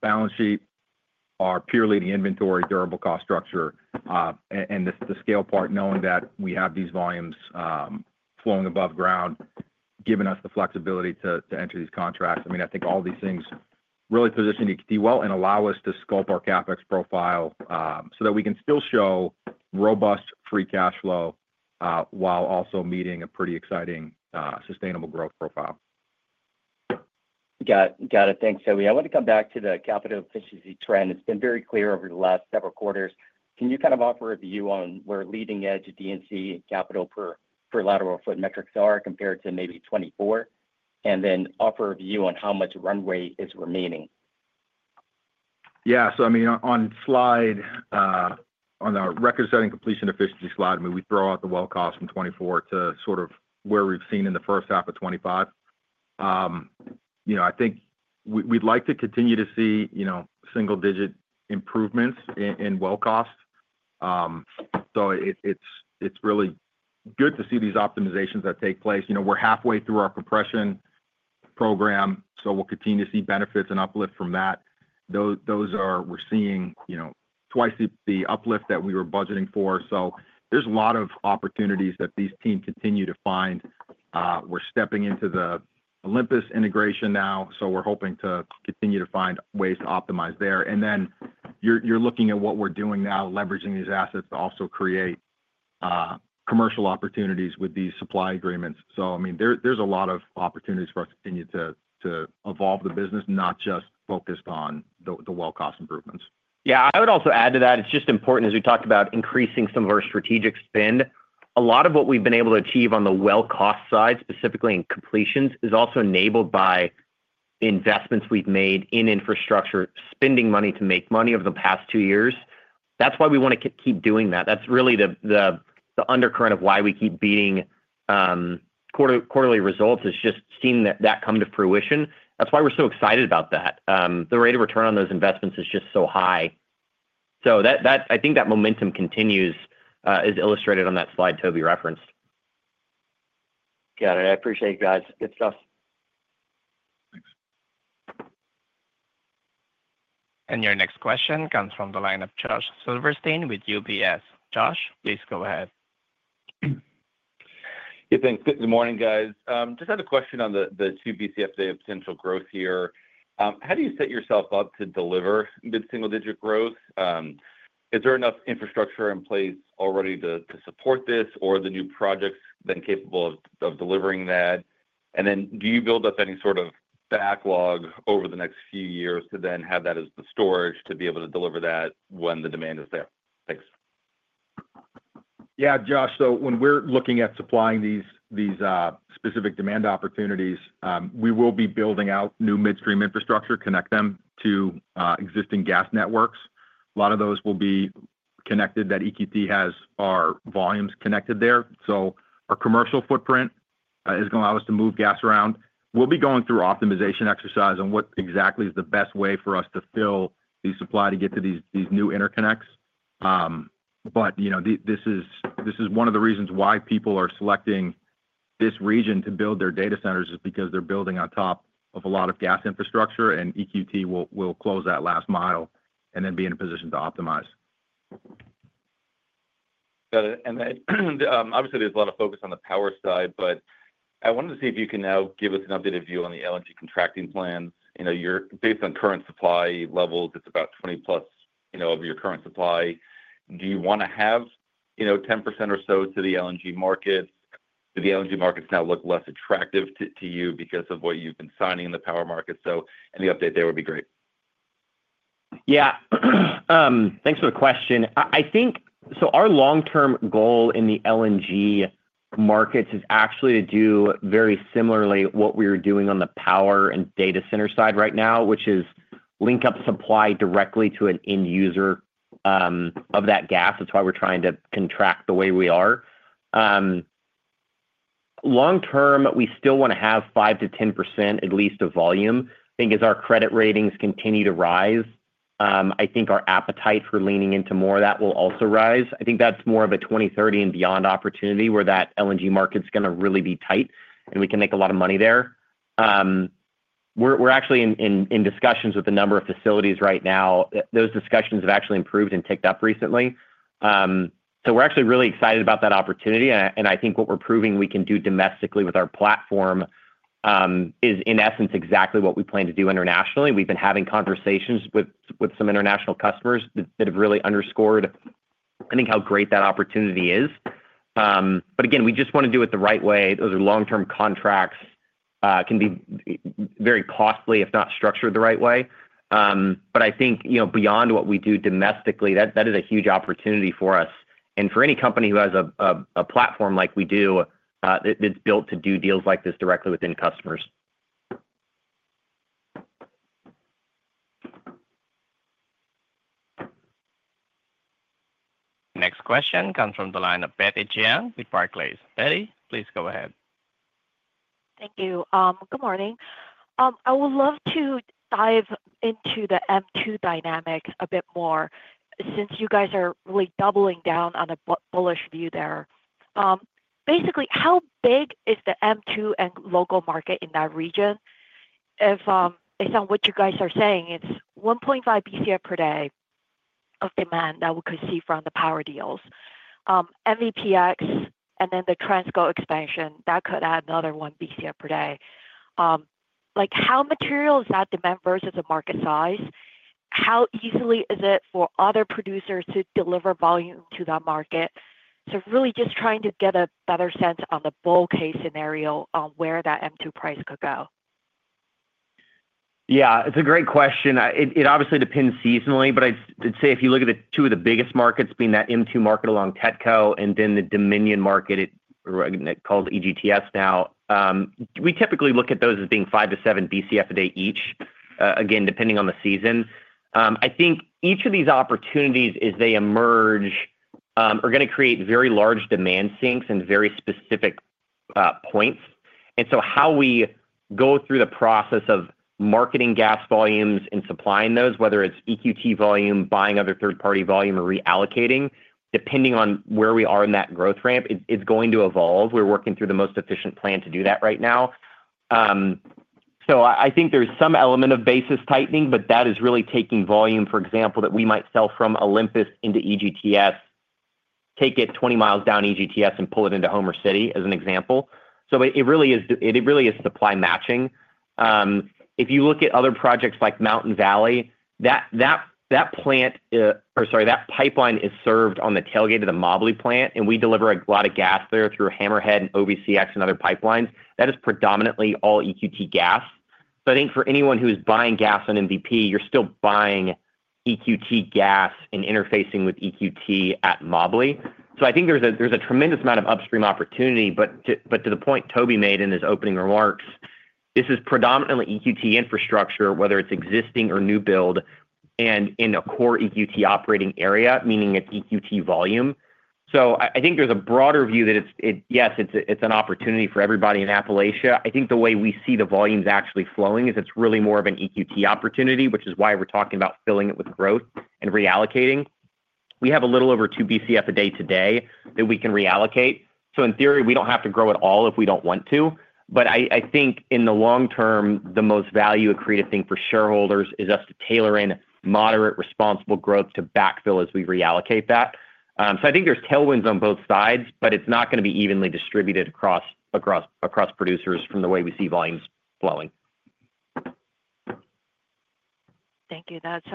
balance sheet, our peer-leading inventory, durable cost structure. The scale part, knowing that we have these volumes flowing above ground, giving us the flexibility to enter these contracts. I mean, I think all these things really position EQT well and allow us to sculpt our CapEx profile so that we can still show robust free cash flow while also meeting a pretty exciting sustainable growth profile. Got it. Thanks, Toby. I want to come back to the capital efficiency trend. It's been very clear over the last several quarters. Can you kind of offer a view on where leading edge D&C and capital per lateral foot metrics are compared to maybe 2024? And then offer a view on how much runway is remaining? Yeah. So I mean, on slide, on our record-setting completion efficiency slide, I mean, we throw out the well cost from 2024 to sort of where we've seen in the first half of 2025. I think we'd like to continue to see single-digit improvements in well cost. So it's really good to see these optimizations that take place. We're halfway through our compression program, so we'll continue to see benefits and uplift from that. We're seeing twice the uplift that we were budgeting for. So there's a lot of opportunities that these teams continue to find. We're stepping into the Olympus integration now, so we're hoping to continue to find ways to optimize there. And then you're looking at what we're doing now, leveraging these assets to also create commercial opportunities with these supply agreements. So I mean, there's a lot of opportunities for us to continue to evolve the business, not just focused on the well cost improvements. Yeah. I would also add to that, it's just important, as we talked about, increasing some of our strategic spend. A lot of what we've been able to achieve on the well cost side, specifically in completions, is also enabled by investments we've made in infrastructure, spending money to make money over the past two years. That's why we want to keep doing that. That's really the undercurrent of why we keep beating quarterly results is just seeing that come to fruition. That's why we're so excited about that. The rate of return on those investments is just so high. I think that momentum continues is illustrated on that slide Toby referenced. Got it. I appreciate you guys. Good stuff. Your next question comes from the line of Josh Silverstein with UBS. Josh, please go ahead. Good morning, guys. Just had a question on the 2 Bcfe potential growth here. How do you set yourself up to deliver mid-single-digit growth? Is there enough infrastructure in place already to support this or are the new projects then capable of delivering that? Do you build up any sort of backlog over the next few years to then have that as the storage to be able to deliver that when the demand is there? Thanks. Yeah, Josh. When we're looking at supplying these specific demand opportunities, we will be building out new midstream infrastructure, connect them to existing gas networks. A lot of those will be connected that EQT has our volumes connected there. Our commercial footprint is going to allow us to move gas around. We'll be going through optimization exercise on what exactly is the best way for us to fill these supply to get to these new interconnects. This is one of the reasons why people are selecting this region to build their data centers is because they're building on top of a lot of gas infrastructure, and EQT will close that last mile and then be in a position to optimize. Got it. Obviously, there's a lot of focus on the power side, but I wanted to see if you can now give us an updated view on the LNG contracting plans. Based on current supply levels, it's about 20-plus of your current supply. Do you want to have 10% or so to the LNG markets? Do the LNG markets now look less attractive to you because of what you've been signing in the power market? Any update there would be great. Yeah. Thanks for the question. Our long-term goal in the LNG markets is actually to do very similarly what we're doing on the power and data center side right now, which is link up supply directly to an end user of that gas. That's why we're trying to contract the way we are. Long term, we still want to have 5-10% at least of volume. I think as our credit ratings continue to rise, I think our appetite for leaning into more of that will also rise. I think that's more of a 2030 and beyond opportunity where that LNG market's going to really be tight, and we can make a lot of money there. We're actually in discussions with a number of facilities right now. Those discussions have actually improved and ticked up recently. We're actually really excited about that opportunity. I think what we're proving we can do domestically with our platform is, in essence, exactly what we plan to do internationally. We've been having conversations with some international customers that have really underscored, I think, how great that opportunity is. Again, we just want to do it the right way. Those are long-term contracts, can be very costly if not structured the right way. I think beyond what we do domestically, that is a huge opportunity for us and for any company who has a platform like we do that's built to do deals like this directly within customers. Next question comes from the line of Betty Jiang with Barclays. Betty, please go ahead. Thank you. Good morning. I would love to dive into the M2 dynamic a bit more since you guys are really doubling down on a bullish view there. Basically, how big is the M2 and local market in that region? Based on what you guys are saying, it's 1.5 Bcf per day of demand that we could see from the power deals. MVPX and then the Transco expansion, that could add another 1 Bcf per day. How material is that demand versus the market size? How easily is it for other producers to deliver volume to that market? Really just trying to get a better sense on the bull case scenario on where that M2 price could go. Yeah. It's a great question. It obviously depends seasonally, but I'd say if you look at two of the biggest markets being that M2 market along TETCO and then the Dominion market, called EGTS now. We typically look at those as being 5-7 Bcf a day each, again, depending on the season. I think each of these opportunities, as they emerge, are going to create very large demand sinks and very specific points. How we go through the process of marketing gas volumes and supplying those, whether it's EQT volume, buying other third-party volume, or reallocating, depending on where we are in that growth ramp, it's going to evolve. We're working through the most efficient plan to do that right now. I think there's some element of basis tightening, but that is really taking volume, for example, that we might sell from Olympus into EGTS, take it 20 mi down EGTS and pull it into Homer City, as an example. It really is supply matching. If you look at other projects like Mountain Valley, that plant, or sorry, that pipeline is served on the tailgate of the Mobley plant, and we deliver a lot of gas there through Hammerhead and OVCX and other pipelines. That is predominantly all EQT gas. I think for anyone who is buying gas on MVP, you're still buying EQT gas and interfacing with EQT at Mobley. I think there's a tremendous amount of upstream opportunity, but to the point Toby made in his opening remarks, this is predominantly EQT infrastructure, whether it's existing or new build and in a core EQT operating area, meaning it's EQT volume. I think there's a broader view that it's, yes, it's an opportunity for everybody in Appalachia. I think the way we see the volumes actually flowing is it's really more of an EQT opportunity, which is why we're talking about filling it with growth and reallocating. We have a little over 2 Bcf a day today that we can reallocate. In theory, we don't have to grow at all if we don't want to. I think in the long term, the most value-accretive thing for shareholders is us to tailor in moderate, responsible growth to backfill as we reallocate that. I think there's tailwinds on both sides, but it's not going to be evenly distributed across producers from the way we see volumes flowing. Thank you. That's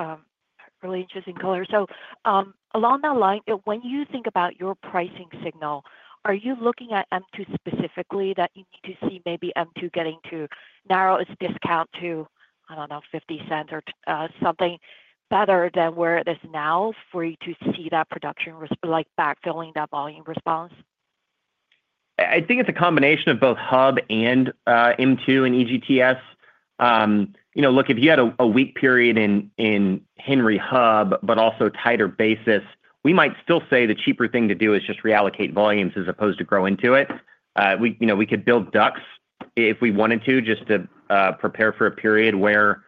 really interesting color. Along that line, when you think about your pricing signal, are you looking at M2 specifically that you need to see, maybe M2 getting to narrow its discount to, I don't know, 50 cents or something better than where it is now for you to see that production backfilling that volume response? I think it's a combination of both hub and M2 and EGTS. Look, if you had a weak period in Henry Hub, but also tighter basis, we might still say the cheaper thing to do is just reallocate volumes as opposed to grow into it. We could build ducks if we wanted to just to prepare for a period where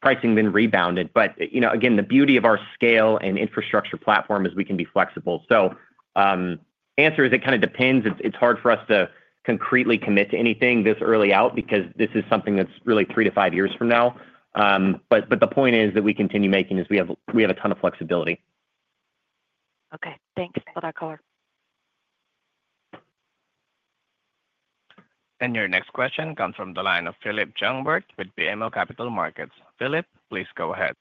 pricing then rebounded. Again, the beauty of our scale and infrastructure platform is we can be flexible. The answer is it kind of depends. It's hard for us to concretely commit to anything this early out because this is something that's really three to five years from now. The point that we continue making is we have a ton of flexibility. Okay. Thanks for that color. Your next question comes from the line of Philip Jungwirth with BMO Capital Markets. Philip, please go ahead.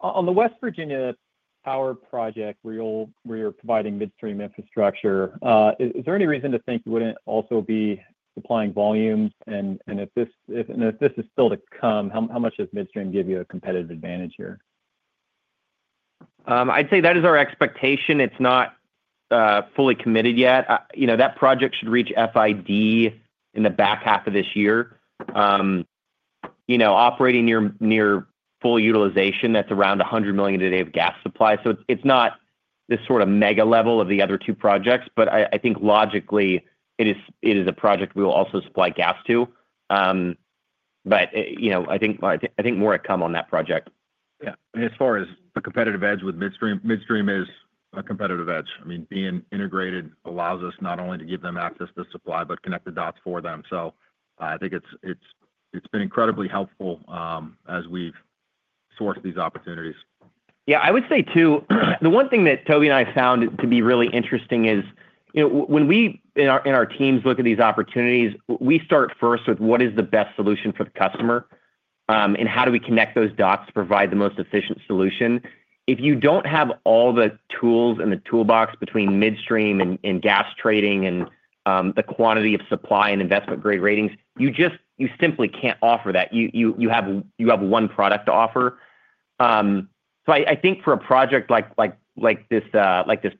On the West Virginia power project where you're providing midstream infrastructure, is there any reason to think you wouldn't also be supplying volumes? If this is still to come, how much does midstream give you a competitive advantage here? I'd say that is our expectation. It's not fully committed yet. That project should reach FID in the back half of this year. Operating near full utilization, that's around 100 million a day of gas supply. It's not this sort of mega level of the other two projects, but I think logically it is a project we will also supply gas to. I think more to come on that project. Yeah. I mean, as far as a competitive edge with midstream, midstream is a competitive edge. I mean, being integrated allows us not only to give them access to supply, but connect the dots for them. I think it's been incredibly helpful as we've sourced these opportunities. Yeah. I would say too, the one thing that Toby and I found to be really interesting is when we and our teams look at these opportunities, we start first with what is the best solution for the customer. How do we connect those dots to provide the most efficient solution? If you do not have all the tools in the toolbox between midstream and gas trading and the quantity of supply and investment-grade ratings, you simply cannot offer that. You have one product to offer. I think for a project like this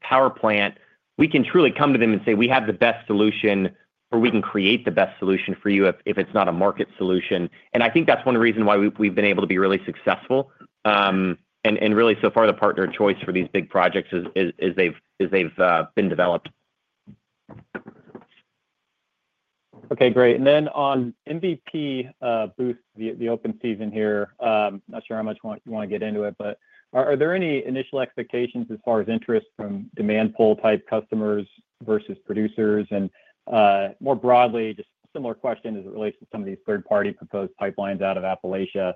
power plant, we can truly come to them and say, "We have the best solution," or, "We can create the best solution for you if it is not a market solution." I think that is one reason why we have been able to be really successful. Really, so far, the partner choice for these big projects is they have been developed. Okay. Great. On MVP Boost, the open season here, not sure how much you want to get into it, but are there any initial expectations as far as interest from demand pull type customers versus producers? More broadly, just a similar question as it relates to some of these third-party proposed pipelines out of Appalachia.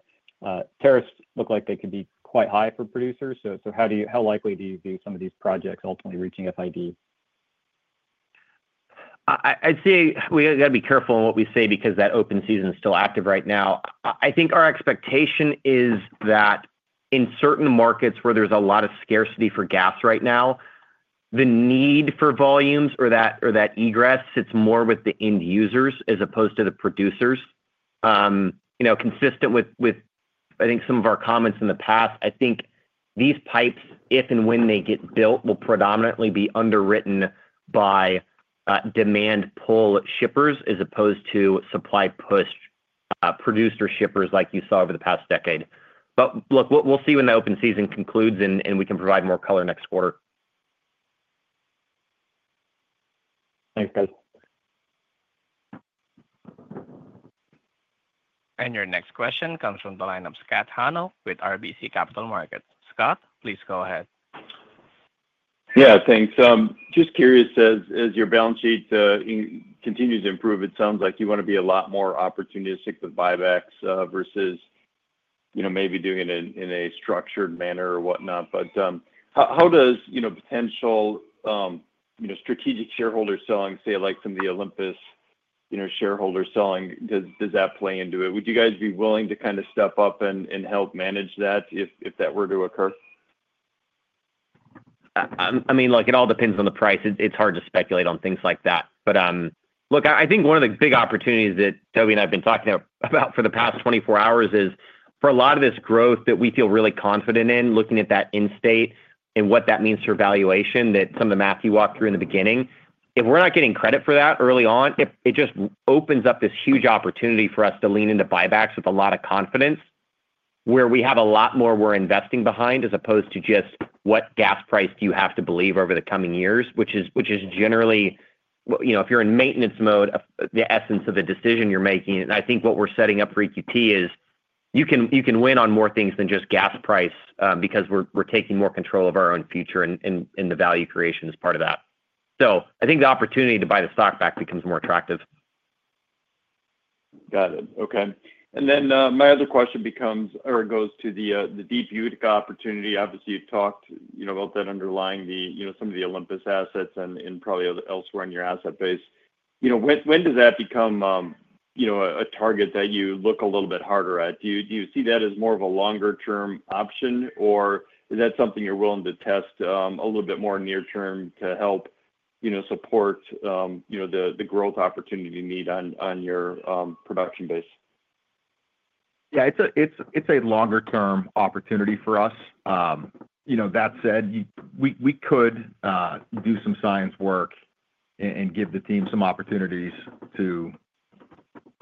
Tariffs look like they could be quite high for producers. How likely do you view some of these projects ultimately reaching FID? I'd say we got to be careful what we say because that open season is still active right now. I think our expectation is that in certain markets where there's a lot of scarcity for gas right now, the need for volumes or that egress, it's more with the end users as opposed to the producers. Consistent with, I think, some of our comments in the past, I think these pipes, if and when they get built, will predominantly be underwritten by demand pull shippers as opposed to supply push producer shippers like you saw over the past decade. Look, we'll see when the open season concludes and we can provide more color next quarter. Thanks, guys. Your next question comes from the line of Scott Hanold with RBC Capital Markets. Scott, please go ahead. Yeah. Thanks. Just curious, as your balance sheet continues to improve, it sounds like you want to be a lot more opportunistic with buybacks versus maybe doing it in a structured manner or whatnot. How does potential strategic shareholder selling, say, like some of the Olympus shareholders selling, does that play into it? Would you guys be willing to kind of step up and help manage that if that were to occur? I mean, it all depends on the price. It's hard to speculate on things like that. But look, I think one of the big opportunities that Toby and I have been talking about for the past 24 hours is for a lot of this growth that we feel really confident in, looking at that end state and what that means for valuation that some of the math you walked through in the beginning. If we're not getting credit for that early on, it just opens up this huge opportunity for us to lean into buybacks with a lot of confidence. Where we have a lot more we're investing behind as opposed to just what gas price do you have to believe over the coming years, which is generally, if you're in maintenance mode, the essence of the decision you're making. I think what we're setting up for EQT is you can win on more things than just gas price because we're taking more control of our own future and the value creation is part of that. I think the opportunity to buy the stock back becomes more attractive. Got it. Okay. My other question becomes or goes to the deep Utica opportunity. Obviously, you've talked about that underlying some of the Olympus assets and probably elsewhere in your asset base. When does that become a target that you look a little bit harder at? Do you see that as more of a longer-term option, or is that something you're willing to test a little bit more near-term to help support the growth opportunity you need on your production base? Yeah. It's a longer-term opportunity for us. That said, we could do some science work and give the team some opportunities to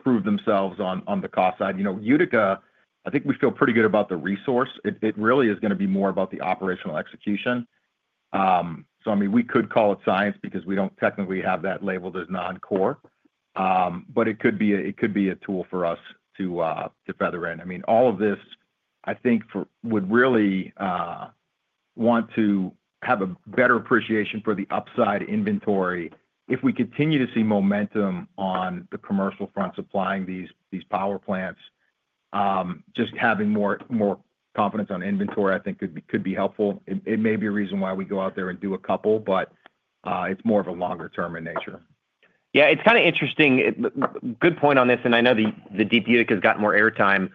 prove themselves on the cost side. Utica, I think we feel pretty good about the resource. It really is going to be more about the operational execution. I mean, we could call it science because we don't technically have that labeled as non-core, but it could be a tool for us to feather in. I mean, all of this, I think, would really want to have a better appreciation for the upside inventory if we continue to see momentum on the commercial front supplying these power plants. Just having more confidence on inventory, I think, could be helpful. It may be a reason why we go out there and do a couple, but it's more of a longer-term in nature. Yeah. It's kind of interesting. Good point on this. And I know the deep Utica has gotten more airtime.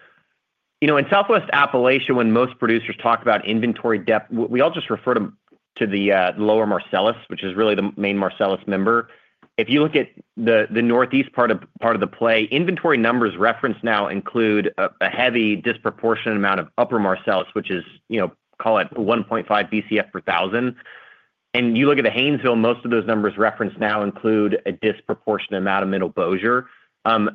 In Southwest Appalachia, when most producers talk about inventory depth, we all just refer to the lower Marcellus, which is really the main Marcellus member. If you look at the northeast part of the play, inventory numbers referenced now include a heavy disproportionate amount of upper Marcellus, which is, call it, 1.5 Bcf per thousand. And you look at the Haynesville, most of those numbers referenced now include a disproportionate amount of middle Bossier. And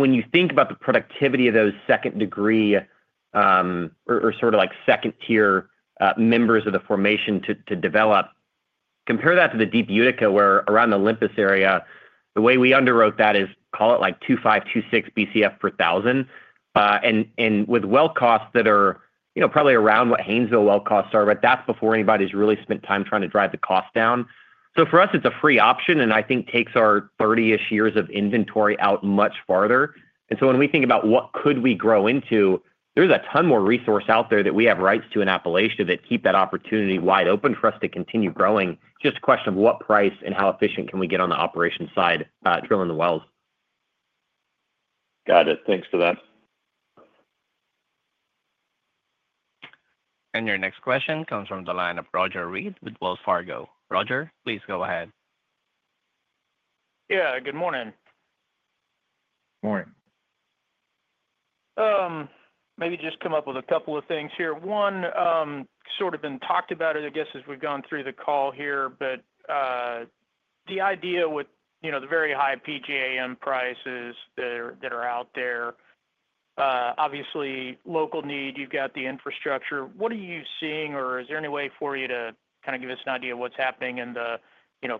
when you think about the productivity of those second-degree, or sort of second-tier members of the formation to develop, compare that to the deep Utica where around the Olympus area, the way we underwrote that is, call it, 25-26 Bcf per thousand. And with well costs that are probably around what Haynesville well costs are, but that's before anybody's really spent time trying to drive the cost down. For us, it's a free option, and I think takes our 30-ish years of inventory out much farther. When we think about what could we grow into, there's a ton more resource out there that we have rights to in Appalachia that keep that opportunity wide open for us to continue growing. It's just a question of what price and how efficient can we get on the operation side drilling the wells. Got it. Thanks for that. Your next question comes from the line of Roger Read with Wells Fargo. Roger, please go ahead. Yeah. Good morning. Morning. Maybe just come up with a couple of things here. One, sort of been talked about, I guess, as we've gone through the call here, but the idea with the very high PGAM prices that are out there. Obviously, local need, you've got the infrastructure. What are you seeing, or is there any way for you to kind of give us an idea of what's happening in the,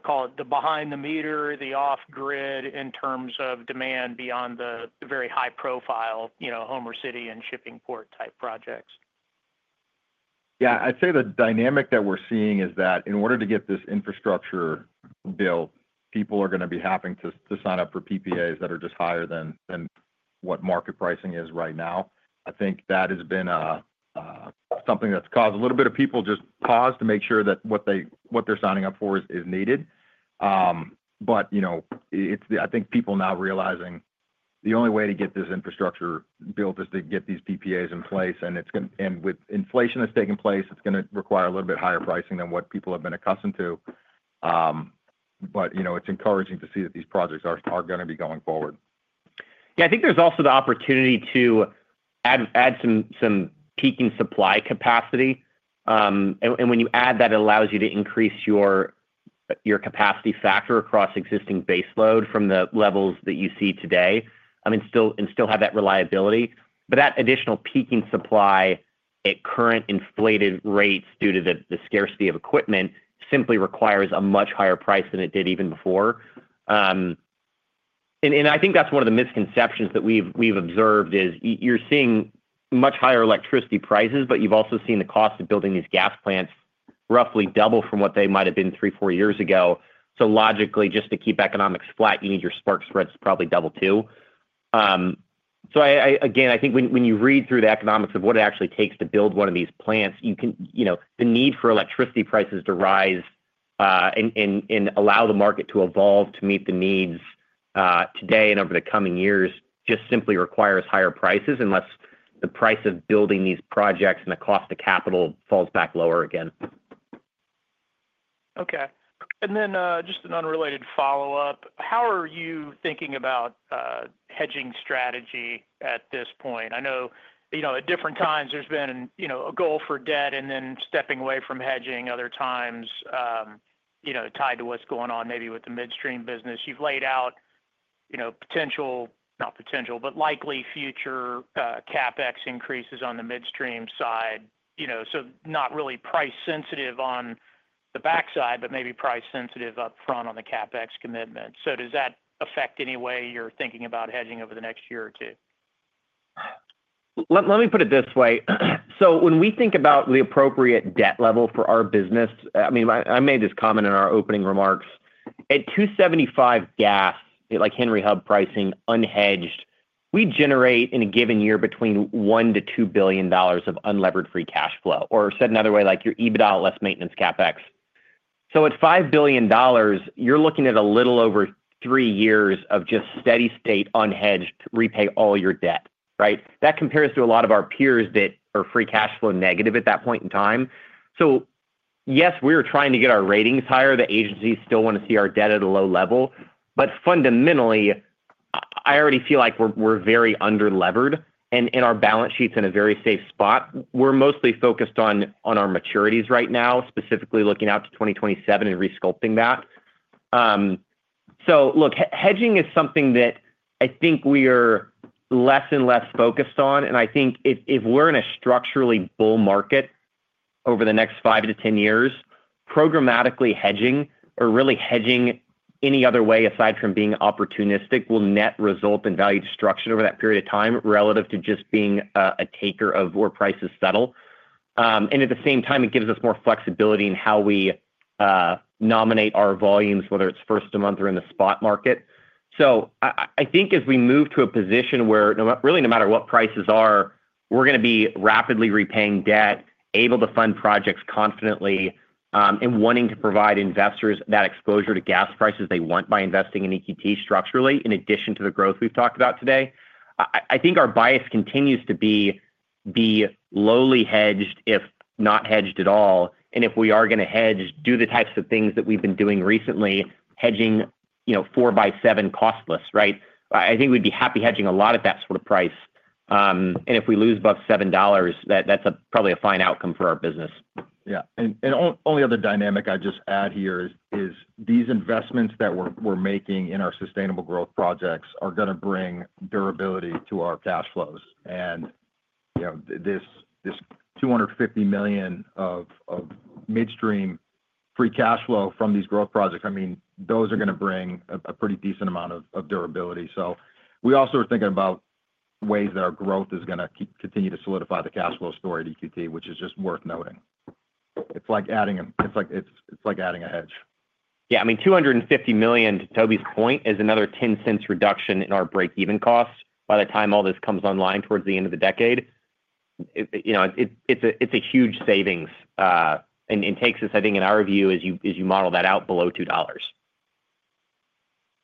call it, the behind the meter, the off-grid in terms of demand beyond the very high-profile Homer City and Shipping Port type projects? Yeah. I'd say the dynamic that we're seeing is that in order to get this infrastructure built, people are going to be having to sign up for PPAs that are just higher than what market pricing is right now. I think that has been something that's caused a little bit of people just pause to make sure that what they're signing up for is needed. I think people now realizing the only way to get this infrastructure built is to get these PPAs in place. And with inflation that's taken place, it's going to require a little bit higher pricing than what people have been accustomed to. It's encouraging to see that these projects are going to be going forward. Yeah. I think there's also the opportunity to add some peaking supply capacity. And when you add that, it allows you to increase your capacity factor across existing base load from the levels that you see today and still have that reliability. But that additional peaking supply at current inflated rates due to the scarcity of equipment simply requires a much higher price than it did even before. I think that's one of the misconceptions that we've observed is you're seeing much higher electricity prices, but you've also seen the cost of building these gas plants roughly double from what they might have been three, four years ago. Logically, just to keep economics flat, you need your spark spreads to probably double too. Again, I think when you read through the economics of what it actually takes to build one of these plants, the need for electricity prices to rise and allow the market to evolve to meet the needs today and over the coming years just simply requires higher prices unless the price of building these projects and the cost of capital falls back lower again. Okay. And then just an unrelated follow-up. How are you thinking about hedging strategy at this point? I know at different times there's been a goal for debt and then stepping away from hedging other times. Tied to what's going on maybe with the midstream business. You've laid out potential, not potential, but likely future CapEx increases on the midstream side. So not really price sensitive on the backside, but maybe price sensitive upfront on the CapEx commitment. Does that affect any way you're thinking about hedging over the next year or two? Let me put it this way. When we think about the appropriate debt level for our business, I mean, I made this comment in our opening remarks. At $2.75 gas, like Henry Hub pricing, unhedged, we generate in a given year between $1 billion-$2 billion of unleveraged free cash flow. Or said another way, like your EBITDA less maintenance CapEx. At $5 billion, you are looking at a little over three years of just steady state unhedged repay all your debt, right? That compares to a lot of our peers that are free cash flow negative at that point in time. Yes, we are trying to get our ratings higher. The agencies still want to see our debt at a low level. Fundamentally, I already feel like we are very underleveraged and our balance sheet is in a very safe spot. We are mostly focused on our maturities right now, specifically looking out to 2027 and resculpting that. Hedging is something that I think we are less and less focused on. I think if we are in a structurally bull market over the next 5-10 years, programmatically hedging or really hedging any other way aside from being opportunistic will net result in value destruction over that period of time relative to just being a taker of where prices settle. At the same time, it gives us more flexibility in how we nominate our volumes, whether it is first of month or in the spot market. I think as we move to a position where really no matter what prices are, we are going to be rapidly repaying debt, able to fund projects confidently, and wanting to provide investors that exposure to gas prices they want by investing in EQT structurally in addition to the growth we have talked about today. I think our bias continues to be lowly hedged if not hedged at all. If we are going to hedge, do the types of things that we have been doing recently, hedging 4x7 costless, right? I think we would be happy hedging a lot at that sort of price. If we lose above $7, that is probably a fine outcome for our business. Yeah. The only other dynamic I'd just add here is these investments that we're making in our sustainable growth projects are going to bring durability to our cash flows. This $250 million of midstream free cash flow from these growth projects, I mean, those are going to bring a pretty decent amount of durability. We also are thinking about ways that our growth is going to continue to solidify the cash flow story at EQT, which is just worth noting. It's like adding a hedge. Yeah. I mean, $250 million, to Toby's point, is another $0.10 reduction in our break-even cost by the time all this comes online towards the end of the decade. It's a huge savings. It takes us, I think, in our view, as you model that out, below $2.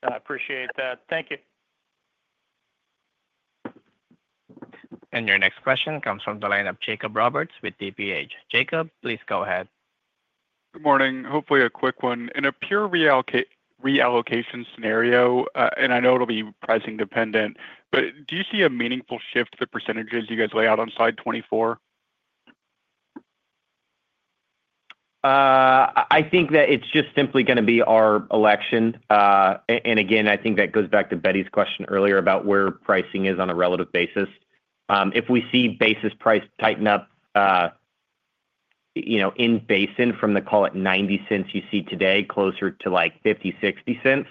I appreciate that. Thank you. Your next question comes from the line of Jacob Roberts with TPH. Jacob, please go ahead. Good morning. Hopefully, a quick one. In a pure reallocation scenario, and I know it'll be pricing dependent, but do you see a meaningful shift to the percentages you guys lay out on slide 24? I think that it's just simply going to be our election. Again, I think that goes back to Betty's question earlier about where pricing is on a relative basis. If we see basis price tighten up in basin from the, call it, $0.90 you see today, closer to like $0.50-$0.60,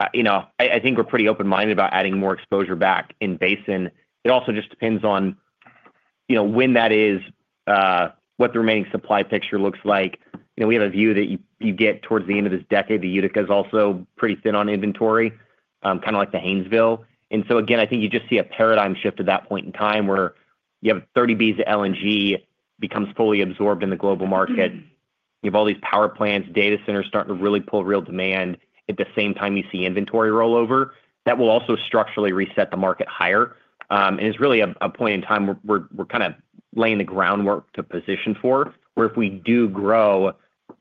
I think we're pretty open-minded about adding more exposure back in basin. It also just depends on when that is, what the remaining supply picture looks like. We have a view that you get towards the end of this decade, the Utica is also pretty thin on inventory, kind of like the Haynesville. I think you just see a paradigm shift at that point in time where you have 30 Bs at LNG becomes fully absorbed in the global market. You have all these power plants, data centers starting to really pull real demand at the same time you see inventory rollover. That will also structurally reset the market higher. It's really a point in time where we're kind of laying the groundwork to position for where if we do grow,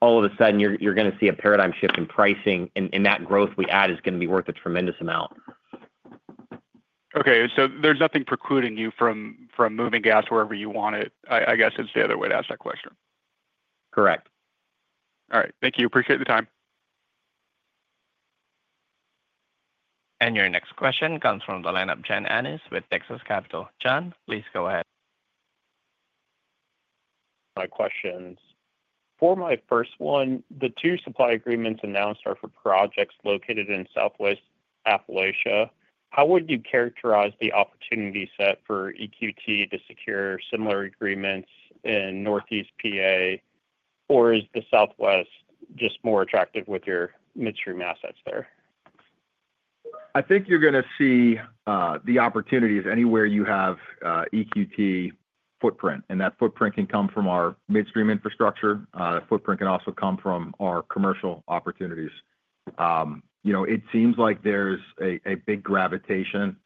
all of a sudden, you're going to see a paradigm shift in pricing. That growth we add is going to be worth a tremendous amount. Okay. So there's nothing precluding you from moving gas wherever you want it, I guess is the other way to ask that question. Correct. All right. Thank you. Appreciate the time. Your next question comes from the line of John Ennis with Texas Capital. John, please go ahead. My questions. For my first one, the two supply agreements announced are for projects located in Southwest Appalachia. How would you characterize the opportunity set for EQT to secure similar agreements in Northeast PA? Or is the Southwest just more attractive with your midstream assets there? I think you're going to see the opportunities anywhere you have EQT footprint. That footprint can come from our midstream infrastructure. The footprint can also come from our commercial opportunities. It seems like there's a big gravitation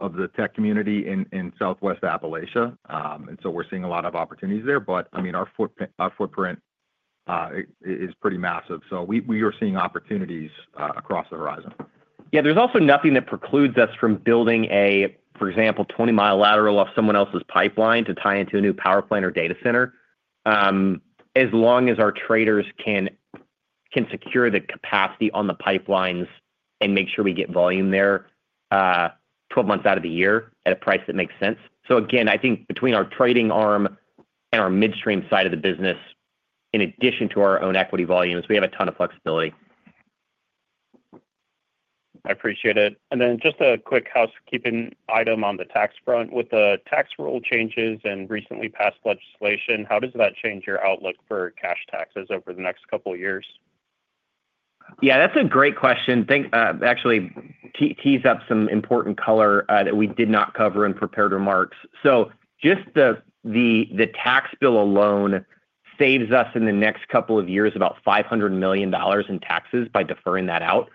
of the tech community in Southwest Appalachia. I mean, we're seeing a lot of opportunities there. Our footprint is pretty massive. We are seeing opportunities across the horizon. Yeah. There's also nothing that precludes us from building a, for example, 20 mi lateral off someone else's pipeline to tie into a new power plant or data center. As long as our traders can secure the capacity on the pipelines and make sure we get volume there 12 months out of the year at a price that makes sense. I think between our trading arm and our midstream side of the business, in addition to our own equity volumes, we have a ton of flexibility. I appreciate it. And then just a quick housekeeping item on the tax front. With the tax rule changes and recently passed legislation, how does that change your outlook for cash taxes over the next couple of years? Yeah. That's a great question. Actually, tease up some important color that we did not cover in prepared remarks. Just the tax bill alone saves us in the next couple of years about $500 million in taxes by deferring that out.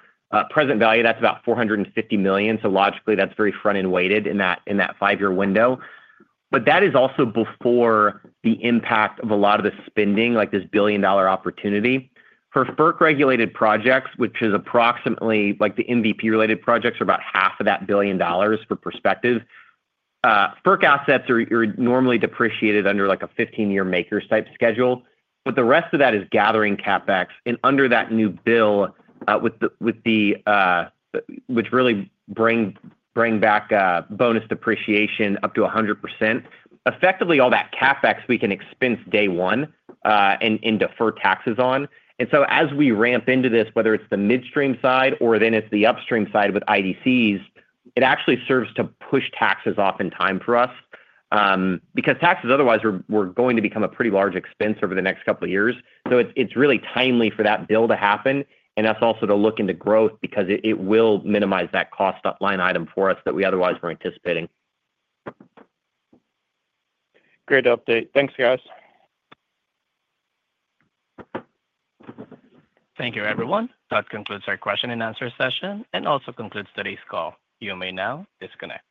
Present value, that's about $450 million. Logically, that's very front-end weighted in that five-year window. That is also before the impact of a lot of the spending, like this billion-dollar opportunity. For FERC-regulated projects, which is approximately like the MVP-related projects are about half of that billion dollars for perspective. FERC assets are normally depreciated under like a 15-year makers type schedule. The rest of that is gathering CapEx. Under that new bill, which really brings back bonus depreciation up to 100%, effectively all that CapEx we can expense day one and defer taxes on. As we ramp into this, whether it's the midstream side or then it's the upstream side with IDCs, it actually serves to push taxes off in time for us. Taxes otherwise were going to become a pretty large expense over the next couple of years. It's really timely for that bill to happen. That's also to look into growth because it will minimize that cost line item for us that we otherwise were anticipating. Great update. Thanks, guys. Thank you, everyone. That concludes our question and answer session and also concludes today's call. You may now disconnect.